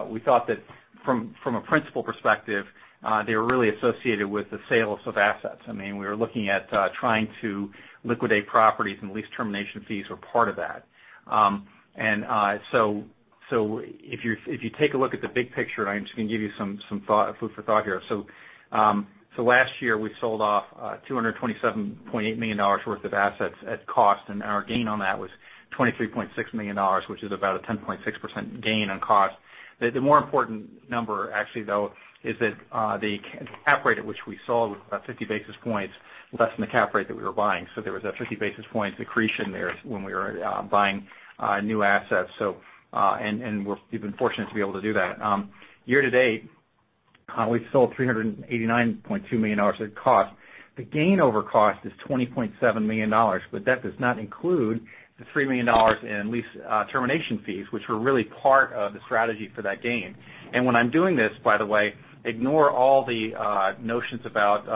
we thought that from a principal perspective, they were really associated with the sales of assets. We were looking at trying to liquidate properties, and lease termination fees were part of that. If you take a look at the big picture, and I'm just going to give you some food for thought here. Last year, we sold off $227.8 million worth of assets at cost, and our gain on that was $23.6 million, which is about a 10.6% gain on cost. The more important number actually, though, is that the cap rate at which we sold was about 50 basis points less than the cap rate that we were buying. There was a 50-basis point accretion there when we were buying new assets. We've been fortunate to be able to do that. Year-to-date, we've sold $389.2 million at cost. The gain over cost is $20.7 million, but that does not include the $3 million in lease termination fees, which were really part of the strategy for that gain. When I'm doing this, by the way, ignore all the notions about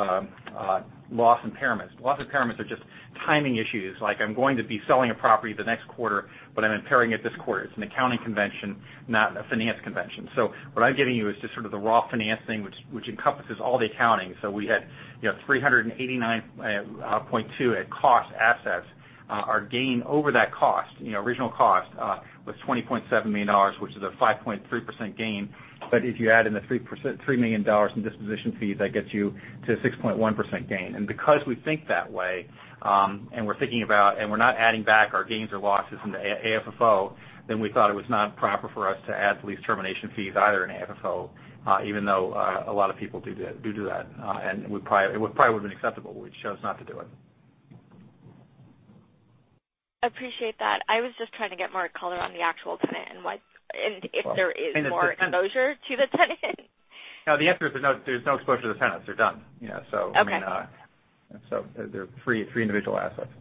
loss impairments. Loss impairments are just timing issues, like I'm going to be selling a property the next quarter, but I'm impairing it this quarter. It's an accounting convention, not a finance convention. What I'm giving you is just sort of the raw financing, which encompasses all the accounting. We had 389.2 at cost assets. Our gain over that cost, original cost, was $20.7 million, which is a 5.3% gain. If you add in the $3 million in disposition fees, that gets you to 6.1% gain. Because we think that way, and we're thinking about, and we're not adding back our gains or losses into AFFO, we thought it was not proper for us to add the lease termination fees either in AFFO, even though a lot of people do that. It probably would've been acceptable. We chose not to do it. Appreciate that. I was just trying to get more color on the actual tenant and if there is more exposure to the tenant. No, the answer is there's no exposure to the tenants. They're done. Okay. They're three individual assets.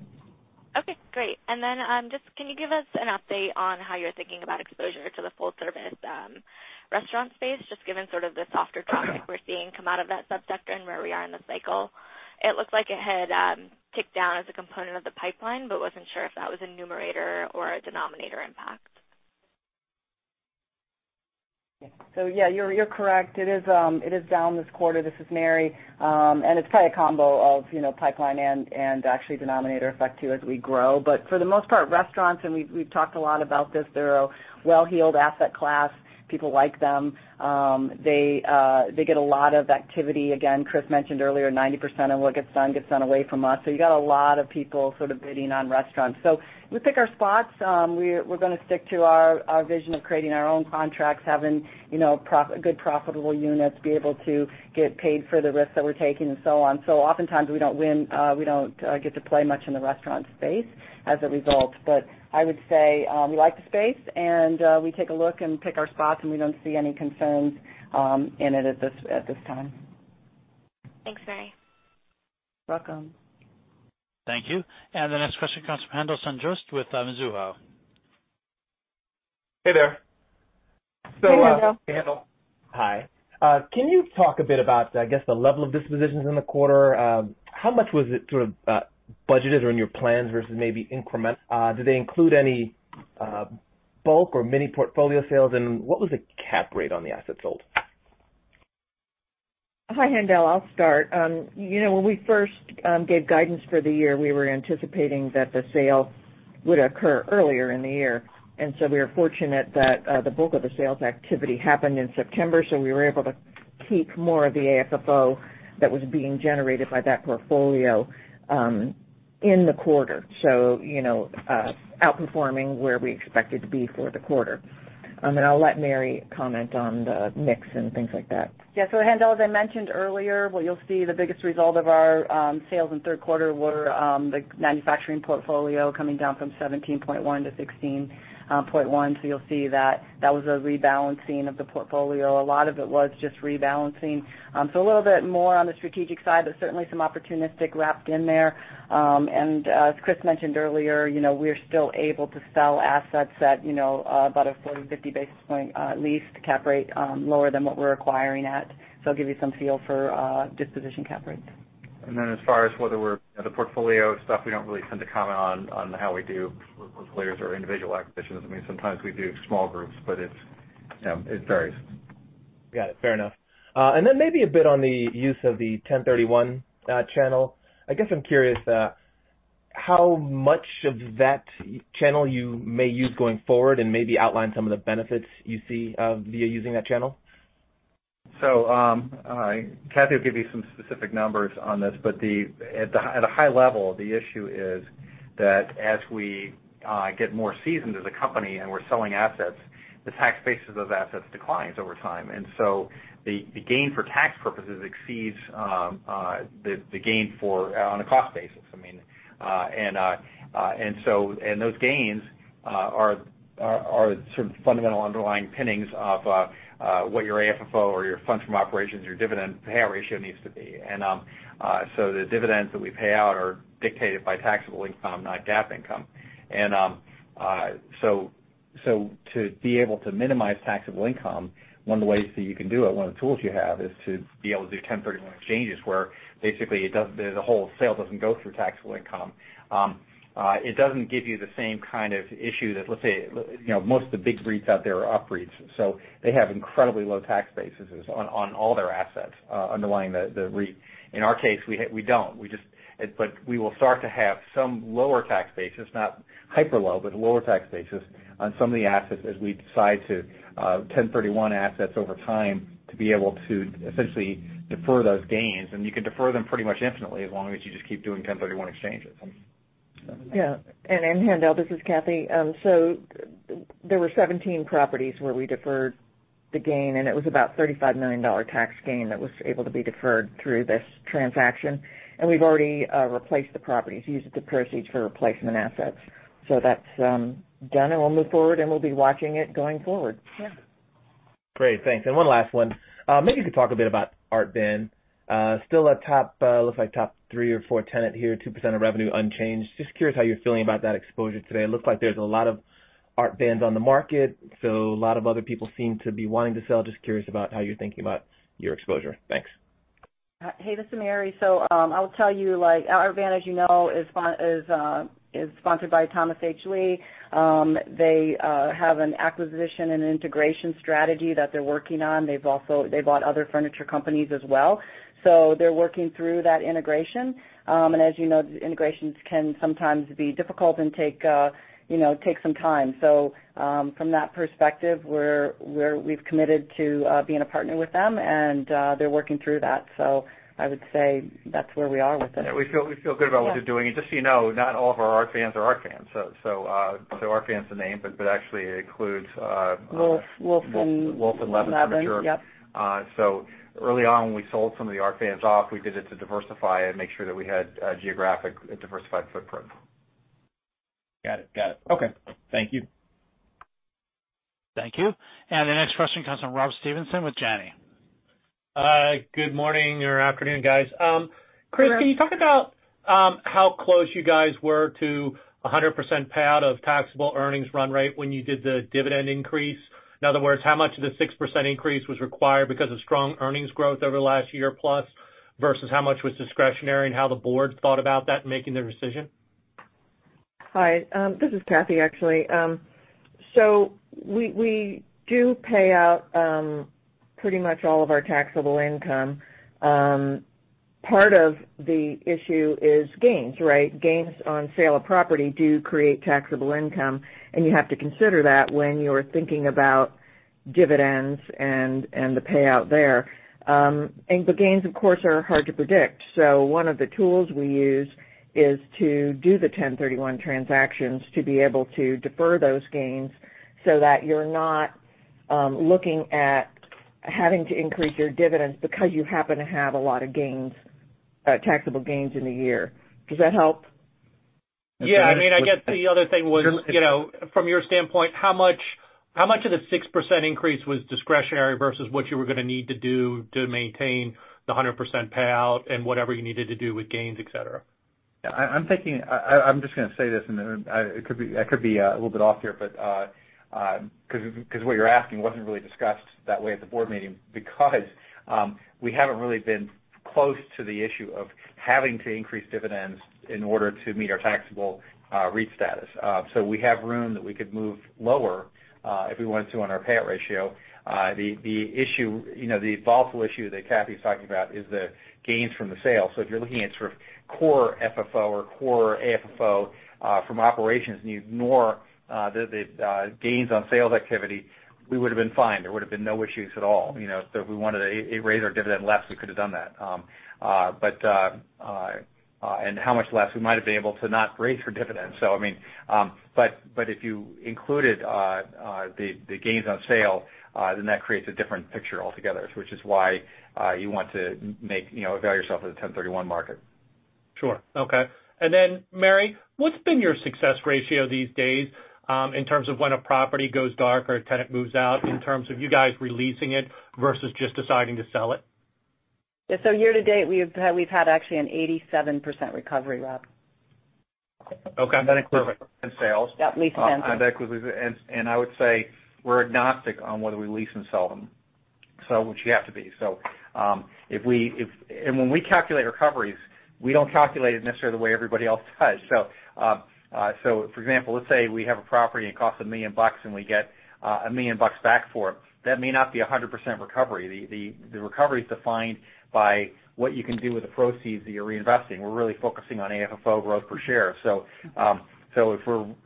Okay, great. Just can you give us an update on how you're thinking about exposure to the full-service restaurant space, just given sort of the softer traffic we're seeing come out of that sub-sector and where we are in the cycle? It looks like it had ticked down as a component of the pipeline, but wasn't sure if that was a numerator or a denominator impact. Yeah, you're correct. It is down this quarter. This is Mary. It's probably a combo of pipeline and actually denominator effect too as we grow. For the most part, restaurants, and we've talked a lot about this, they're a well-heeled asset class. People like them. They get a lot of activity. Again, Chris mentioned earlier, 90% of what gets done, gets done away from us. You got a lot of people sort of bidding on restaurants. We pick our spots. We're going to stick to our vision of creating our own contracts, having good profitable units, be able to get paid for the risks that we're taking and so on. Oftentimes we don't win. We don't get to play much in the restaurant space as a result. I would say, we like the space and we take a look and pick our spots, and we don't see any concerns in it at this time. Thanks, Mary. Welcome. Thank you. The next question comes from Haendel St. Juste with Mizuho. Hey there. Hey, Haendel. Hi. Can you talk a bit about, I guess, the level of dispositions in the quarter? How much was it sort of budgeted or in your plans versus maybe increment? Do they include any bulk or mini portfolio sales, and what was the cap rate on the assets sold? Hi, Haendel. I'll start. When we first gave guidance for the year, we were anticipating that the sale would occur earlier in the year. So we were fortunate that the bulk of the sales activity happened in September, so we were able to keep more of the AFFO that was being generated by that portfolio in the quarter. So outperforming where we expected to be for the quarter. And I'll let Mary comment on the mix and things like that. Yeah. Haendel, as I mentioned earlier, what you'll see the biggest result of our sales in third quarter were the manufacturing portfolio coming down from 17.1 to 16.1. You'll see that was a rebalancing of the portfolio. A lot of it was just rebalancing. A little bit more on the strategic side, certainly some opportunistic wrapped in there. As Chris mentioned earlier, we're still able to sell assets at about a 40, 50 basis points lease cap rate, lower than what we're acquiring at. It'll give you some feel for disposition cap rates. As far as whether we're at the portfolio stuff, we don't really tend to comment on how we do portfolios or individual acquisitions. I mean, sometimes we do small groups, but it varies. Got it. Fair enough. Then maybe a bit on the use of the 1031 exchange. I guess I'm curious how much of that exchange you may use going forward, and maybe outline some of the benefits you see via using that exchange. Cathy will give you some specific numbers on this, but at a high level, the issue is that as we get more seasoned as a company and we're selling assets, the tax basis of assets declines over time. The gain for tax purposes exceeds the gain on a cost basis. Those gains are sort of fundamental underlying pinnings of what your AFFO or your funds from operations, your dividend payout ratio needs to be. The dividends that we pay out are dictated by taxable income, not GAAP income. To be able to minimize taxable income, one of the ways that you can do it, one of the tools you have, is to be able to do 1031 exchanges, where basically, the whole sale doesn't go through taxable income. It doesn't give you the same kind of issue that, let's say, most of the big REITs out there are UPREITs. They have incredibly low tax bases on all their assets underlying the REIT. In our case, we don't. We will start to have some lower tax bases, not hyper low, but lower tax bases on some of the assets as we decide to 1031 assets over time to be able to essentially defer those gains. You can defer them pretty much infinitely as long as you just keep doing 1031 exchanges. Yeah. Haendel, this is Cathy. There were 17 properties where we deferred the gain, and it was about $35 million tax gain that was able to be deferred through this transaction. We've already replaced the properties, used the proceeds for replacement assets. That's done, and we'll move forward, and we'll be watching it going forward. Yeah. Great. Thanks. One last one. Maybe you could talk a bit about Art Van. Still a top, looks like top three or four tenant here, 2% of revenue unchanged. Just curious how you're feeling about that exposure today. It looks like there's a lot of Art Vans on the market, so a lot of other people seem to be wanting to sell. Just curious about how you're thinking about your exposure. Thanks. Hey, this is Mary. I'll tell you, Art Van, as you know, is sponsored by Thomas H. Lee. They have an acquisition and integration strategy that they're working on. They bought other furniture companies as well. They're working through that integration. As you know, the integrations can sometimes be difficult and take some time. From that perspective, we've committed to being a partner with them, and they're working through that. I would say that's where we are with it. Yeah, we feel good about what they're doing. Just so you know, not all of our Art Vans are Art Vans. Art Van's the name, but actually it includes- Wolf. Wolf Furniture and Levin Furniture. Yep. Early on, when we sold some of the Art Van off, we did it to diversify and make sure that we had a geographic diversified footprint. Got it. Okay. Thank you. Thank you. The next question comes from Rob Stevenson with Janney. Good morning or afternoon, guys. Chris, can you talk about how close you guys were to 100% payout of taxable earnings run rate when you did the dividend increase? In other words, how much of the 6% increase was required because of strong earnings growth over the last year plus, versus how much was discretionary and how the board thought about that in making their decision? Hi. This is Kathy, actually. We do pay out pretty much all of our taxable income. Part of the issue is gains. Gains on sale of property do create taxable income, and you have to consider that when you're thinking about dividends and the payout there. The gains, of course, are hard to predict. One of the tools we use is to do the 1031 transactions to be able to defer those gains so that you're not looking at having to increase your dividends because you happen to have a lot of taxable gains in the year. Does that help? Yeah. I guess the other thing was, from your standpoint, how much of the 6% increase was discretionary versus what you were going to need to do to maintain the 100% payout and whatever you needed to do with gains, et cetera? Yeah. I'm just going to say this, and I could be a little bit off here, because what you're asking wasn't really discussed that way at the board meeting because we haven't really been close to the issue of having to increase dividends in order to meet our taxable REIT status. We have room that we could move lower, if we wanted to, on our payout ratio. The volatile issue that Cathy's talking about is the gains from the sale. If you're looking at sort of core FFO or core AFFO from operations, and you ignore the gains on sales activity, we would've been fine. There would've been no issues at all. If we wanted to raise our dividend less, we could've done that. How much less? We might've been able to not raise our dividends. If you included the gains on sale, then that creates a different picture altogether, which is why you want to avail yourself of the 1031 market. Sure. Okay. Mary, what's been your success ratio these days in terms of when a property goes dark or a tenant moves out, in terms of you guys re-leasing it versus just deciding to sell it? Year-to-date, we've had actually an 87% recovery, Rob. Okay. That includes sales? Yep. Lease to sales. I would say we're agnostic on whether we lease and sell them, which you have to be. When we calculate recoveries, we don't calculate it necessarily the way everybody else does. For example, let's say we have a property and it costs $1 million, and we get $1 million back for it. That may not be 100% recovery. The recovery's defined by what you can do with the proceeds that you're reinvesting. We're really focusing on AFFO growth per share.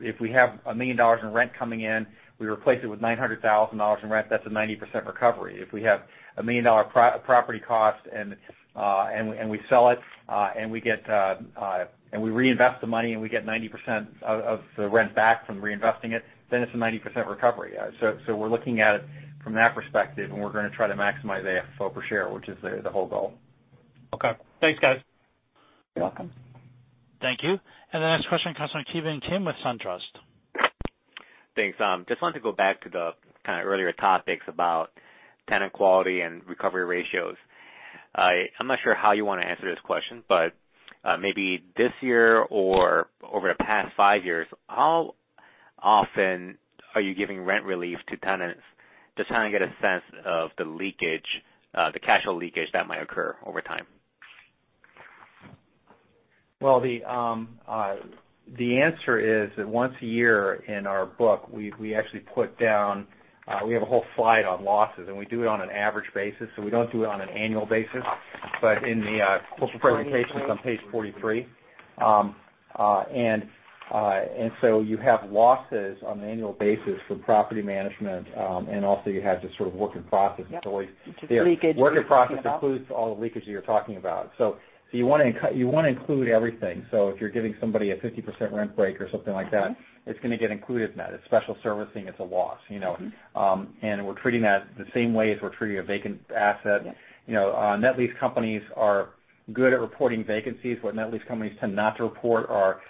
If we have $1 million in rent coming in, we replace it with $900,000 in rent, that's a 90% recovery. If we have a $1 million property cost, and we sell it, and we reinvest the money, and we get 90% of the rent back from reinvesting it, then it's a 90% recovery. We're looking at it from that perspective, and we're going to try to maximize AFFO per share, which is the whole goal. Okay. Thanks, guys. You're welcome. Thank you. The next question comes from Ki Bin Kim with SunTrust. Thanks. Just wanted to go back to the kind of earlier topics about tenant quality and recovery ratios. I'm not sure how you want to answer this question, but maybe this year or over the past five years, how often are you giving rent relief to tenants? Just trying to get a sense of the cash flow leakage that might occur over time. Well, the answer is that once a year in our book, we have a whole slide on losses, and we do it on an average basis, so we don't do it on an annual basis. In the corporate presentation- 2020 it's on page 43. You have losses on an annual basis from property management, and also you have this sort of work in process. Yep. Which is leakage. Work in process includes all the leakage that you're talking about. You want to include everything. If you're giving somebody a 50% rent break or something like that. It's going to get included in that. It's special servicing. It's a loss. We're treating that the same way as we're treating a vacant asset. Yep. Net lease companies are good at reporting vacancies. What net lease companies tend not to report are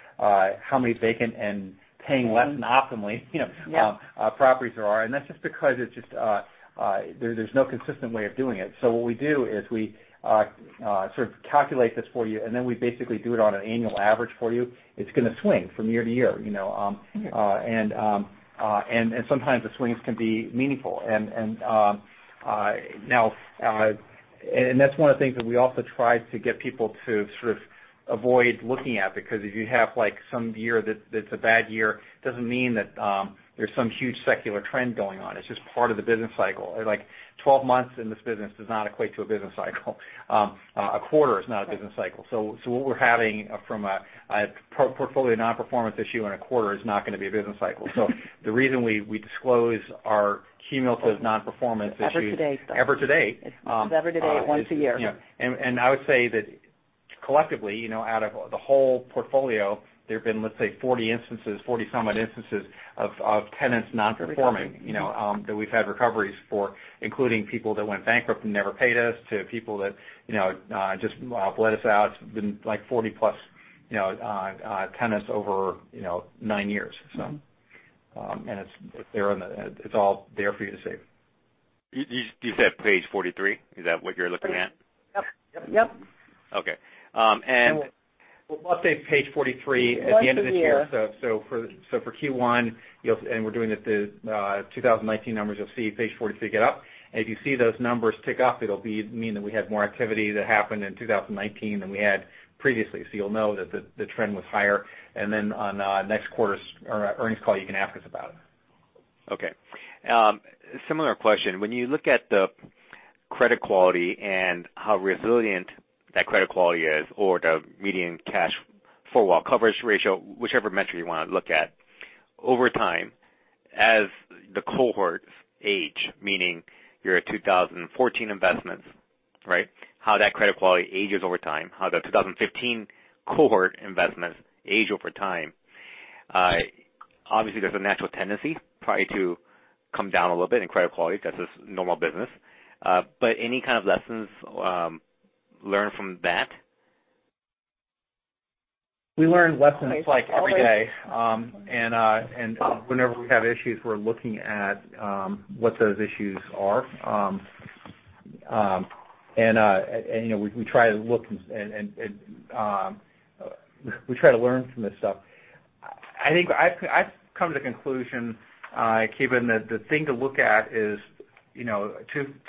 how many vacant and paying less than optimally. Yep properties there are. That's just because there's no consistent way of doing it. What we do is we sort of calculate this for you, then we basically do it on an annual average for you. It's going to swing from year to year. Sometimes the swings can be meaningful. That's one of the things that we also try to get people to sort of avoid looking at, because if you have some year that's a bad year, it doesn't mean that there's some huge secular trend going on. It's just part of the business cycle. 12 months in this business does not equate to a business cycle. A quarter is not a business cycle. What we're having from a portfolio non-performance issue in a quarter is not going to be a business cycle. The reason we disclose our cumulative non-performance issues. Ever to date. ever to date Ever to date once a year. I would say that collectively, out of the whole portfolio, there have been, let's say, 40-some-odd instances of tenants not performing- For recovery. that we've had recoveries for, including people that went bankrupt and never paid us to people that just bled us out. It's been like 40-plus tenants over nine years. It's all there for you to see. You said page 43? Is that what you're looking at? Yep. Well, I'll say page 43 at the end of the year. Once a year. For Q1, and we're doing the 2019 numbers, you'll see page 43 get up, and if you see those numbers tick up, it'll mean that we had more activity that happened in 2019 than we had previously. You'll know that the trend was higher. Then on next quarter's earnings call, you can ask us about it. Okay. Similar question. When you look at the credit quality and how resilient that credit quality is or the median cash four-wall coverage ratio, whichever metric you want to look at over time as the cohorts age, meaning your 2014 investments, right? How that credit quality ages over time, how the 2015 cohort investments age over time. Obviously, there's a natural tendency probably to come down a little bit in credit quality because this is normal business. Any kind of lessons learned from that? We learn lessons like every day. Whenever we have issues, we're looking at what those issues are. We try to learn from this stuff. I think I've come to the conclusion, Kevin, that the thing to look at is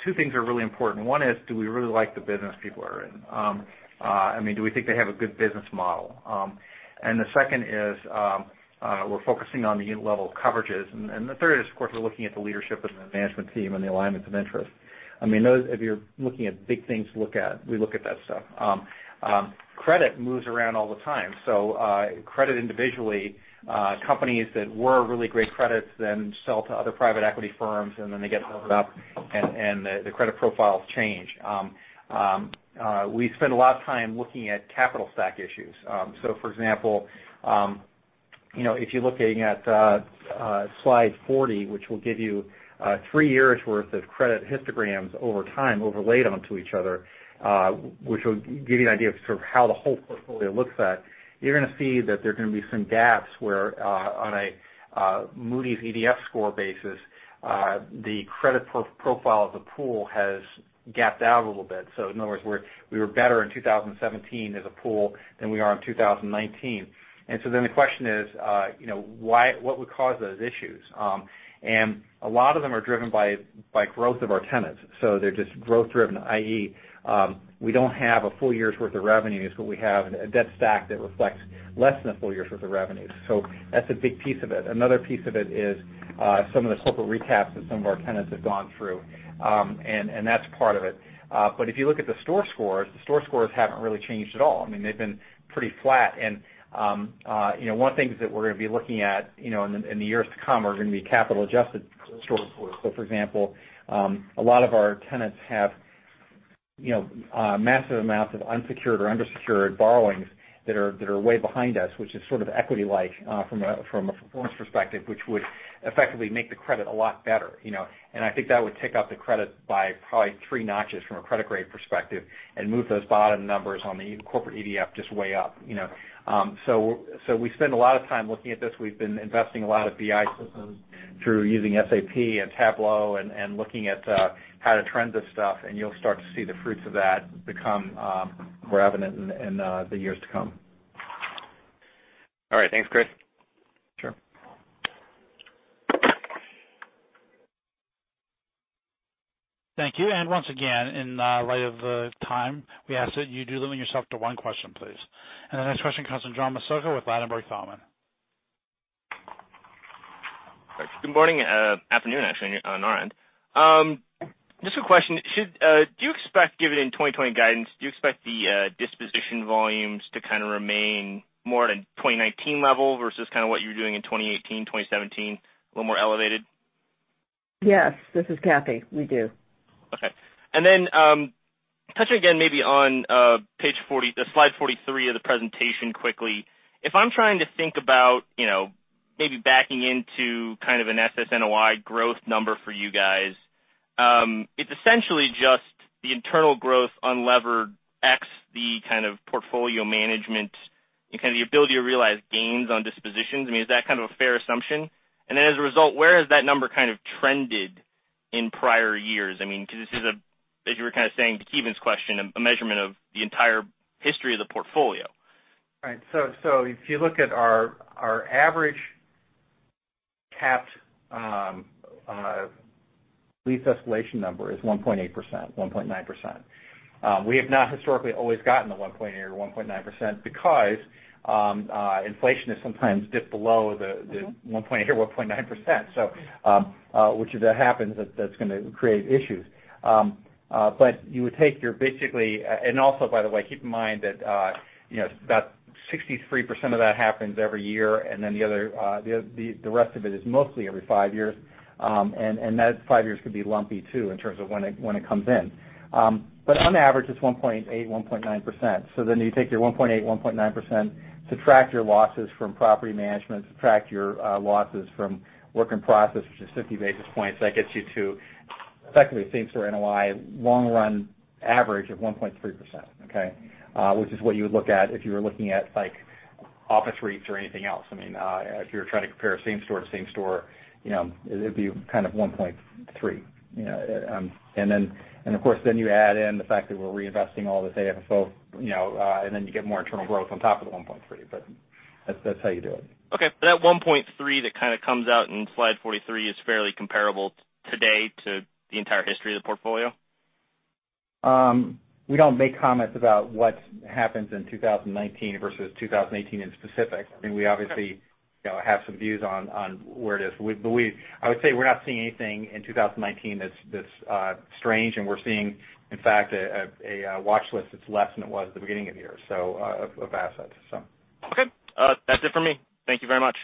two things are really important. One is, do we really like the business people are in? Do we think they have a good business model? The second is, we're focusing on the unit-level coverages. The third is, of course, we're looking at the leadership and the management team and the alignment of interest. If you're looking at big things to look at, we look at that stuff. Credit moves around all the time. Credit individually, companies that were really great credits then sell to other private equity firms, and then they get moved up and the credit profiles change. We spend a lot of time looking at capital stack issues. For example, if you're looking at slide 40, which will give you 3 years' worth of credit histograms over time overlaid onto each other, which will give you an idea of how the whole portfolio looks at, you're going to see that there are going to be some gaps where on a Moody's EDF score basis, the credit profile of the pool has gapped out a little bit. In other words, we were better in 2017 as a pool than we are in 2019. The question is, what would cause those issues? A lot of them are driven by growth of our tenants. They're just growth-driven, i.e., we don't have a full year's worth of revenues, but we have a debt stack that reflects less than a full year's worth of revenues. That's a big piece of it. Another piece of it is some of the corporate recaps that some of our tenants have gone through. That's part of it. If you look at the STORE Scores, the STORE Scores haven't really changed at all. They've been pretty flat. One of the things that we're going to be looking at in the years to come are going to be capital-adjusted STORE Scores. For example, a lot of our tenants have massive amounts of unsecured or under-secured borrowings that are way behind us, which is sort of equity-like from a performance perspective, which would effectively make the credit a lot better. I think that would tick up the credit by probably 3 notches from a credit grade perspective and move those bottom numbers on the corporate EDF just way up. We spend a lot of time looking at this. We've been investing a lot of BI systems through using SAP and Tableau and looking at how to trend this stuff, and you'll start to see the fruits of that become more evident in the years to come. All right. Thanks, Chris. Sure. Thank you. Once again, in light of the time, we ask that you do limit yourself to one question, please. The next question comes from John Massocca with Ladenburg Thalmann. Good morning. Afternoon, actually, on our end. Just a question. Do you expect, given in 2020 guidance, do you expect the disposition volumes to kind of remain more at a 2019 level versus kind of what you were doing in 2018, 2017, a little more elevated? Yes. This is Kathy. We do. Okay. Touching again maybe on slide 43 of the presentation quickly. If I'm trying to think about maybe backing into kind of an SSNOI growth number for you guys, it's essentially just the internal growth unlevered X the kind of portfolio management and kind of the ability to realize gains on dispositions. Is that kind of a fair assumption? As a result, where has that number kind of trended in prior years? Because this is, as you were kind of saying to Kevin's question, a measurement of the entire history of the portfolio. Right. If you look at our average capped lease escalation number is 1.8%, 1.9%. We have not historically always gotten the 1.8 or 1.9% because inflation has sometimes dipped below the 1.8 or 1.9%. If that happens, that's going to create issues. Also, by the way, keep in mind that 63% of that happens every year, and then the rest of it is mostly every five years. That five years could be lumpy, too, in terms of when it comes in. On average, it's 1.8, 1.9%. You take your 1.8, 1.9%, subtract your losses from property management, subtract your losses from work in process, which is 50 basis points. That gets you to effectively SSNOI long-run average of 1.3%. Which is what you would look at if you were looking at office rates or anything else. If you were trying to compare same store to same store, it'd be kind of 1.3. Of course, then you add in the fact that we're reinvesting all this AFFO, and then you get more internal growth on top of the 1.3. That's how you do it. Okay. That 1.3 that kind of comes out in slide 43 is fairly comparable today to the entire history of the portfolio? We don't make comments about what happens in 2019 versus 2018 in specific. We obviously have some views on where it is. I would say we're not seeing anything in 2019 that's strange, and we're seeing, in fact, a watchlist that's less than it was at the beginning of the year of assets. Okay. That's it for me. Thank you very much.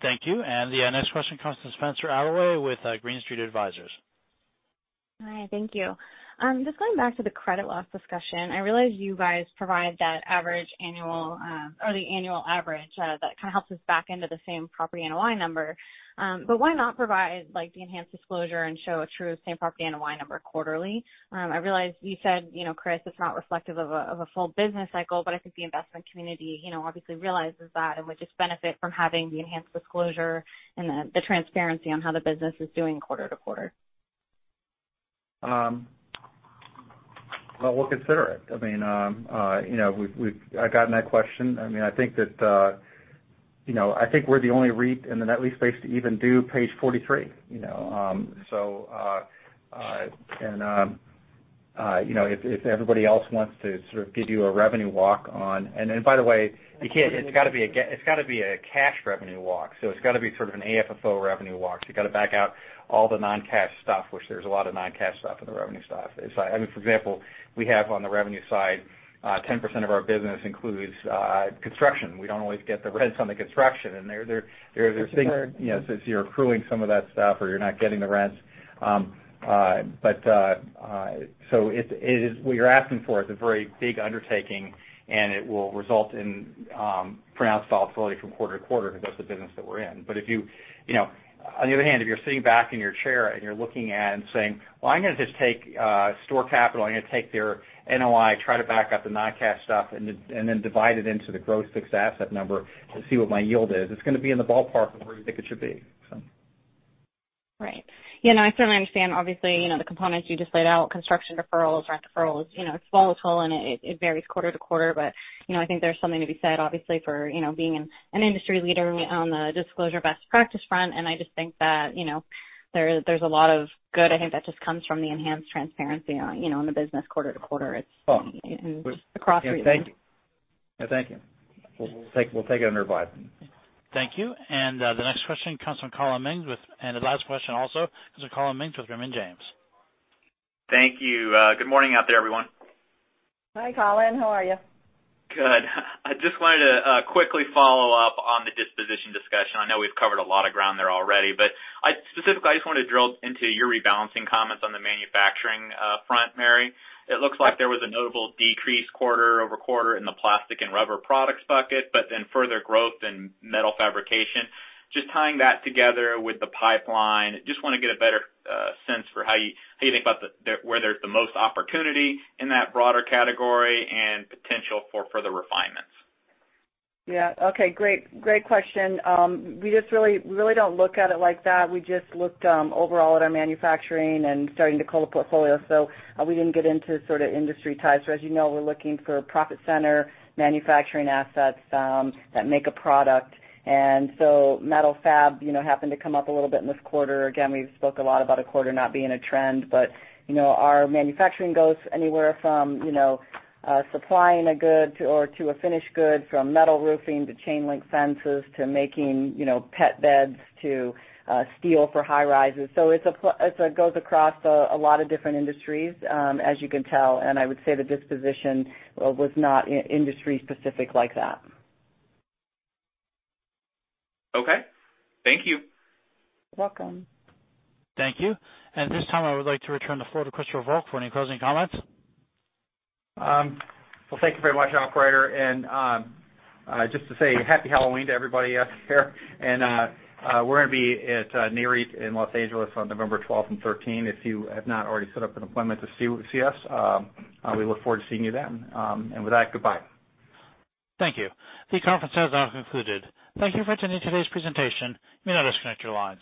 Thank you. The next question comes from Spenser Allaway with Green Street Advisors. Hi, thank you. Just going back to the credit loss discussion. I realize you guys provide that average annual, or the annual average, that kind of helps us back into the same-property NOI number. Why not provide the enhanced disclosure and show a true same-property NOI number quarterly? I realize you said, Chris, it's not reflective of a full business cycle, but I think the investment community obviously realizes that and would just benefit from having the enhanced disclosure and the transparency on how the business is doing quarter to quarter. Well, we'll consider it. I've gotten that question. I think we're the only REIT in the net lease space to even do page 43. If everybody else wants to give you a revenue walk-on. By the way, it's got to be a cash revenue walk. It's got to be an AFFO revenue walk. You got to back out all the non-cash stuff, which there's a lot of non-cash stuff in the revenue stuff. For example, we have on the revenue side, 10% of our business includes construction. We don't always get the rents on the construction. Sure you're accruing some of that stuff, or you're not getting the rents. What you're asking for is a very big undertaking, and it will result in pronounced volatility from quarter to quarter because that's the business that we're in. On the other hand, if you're sitting back in your chair and you're looking and saying, "Well, I'm going to just take STORE Capital, I'm going to take their NOI, try to back up the non-cash stuff, and then divide it into the gross fixed asset number to see what my yield is," it's going to be in the ballpark of where you think it should be. Right. I certainly understand, obviously, the components you just laid out, construction deferrals, rent deferrals. It's volatile, and it varies quarter to quarter. I think there's something to be said, obviously, for being an industry leader on the disclosure best practice front, and I just think that there's a lot of good, I think, that just comes from the enhanced transparency on the business quarter to quarter. Oh across the board. Thank you. We'll take it under advice. Thank you. The last question also is from Collin Mings with Raymond James. Thank you. Good morning out there, everyone. Hi, Collin. How are you? Good. I just wanted to quickly follow up on the disposition discussion. I know we've covered a lot of ground there already. Specifically, I just wanted to drill into your rebalancing comments on the manufacturing front, Mary. It looks like there was a notable decrease quarter-over-quarter in the plastic and rubber products bucket. Further growth in metal fabrication. Just tying that together with the pipeline, just want to get a better sense for how you think about where there's the most opportunity in that broader category and potential for further refinements. Yeah. Okay, great question. We just really don't look at it like that. We just looked overall at our manufacturing and starting to cull the portfolio, so we didn't get into sort of industry types. As you know, we're looking for profit center manufacturing assets that make a product. Metal fab happened to come up a little bit in this quarter. Again, we've spoke a lot about a quarter not being a trend, but our manufacturing goes anywhere from supplying a good or to a finished good, from metal roofing to chain link fences to making pet beds to steel for high-rises. It goes across a lot of different industries, as you can tell, and I would say the disposition was not industry-specific like that. Okay. Thank you. Welcome. Thank you. At this time, I would like to return the floor to Christopher Volk for any closing comments. Well, thank you very much, operator. Just to say happy Halloween to everybody out there. We're going to be at Nareit in Los Angeles on November 12th and 13th. If you have not already set up an appointment to see us, we look forward to seeing you then. With that, goodbye. Thank you. The conference has now concluded. Thank you for attending today's presentation. You may disconnect your lines.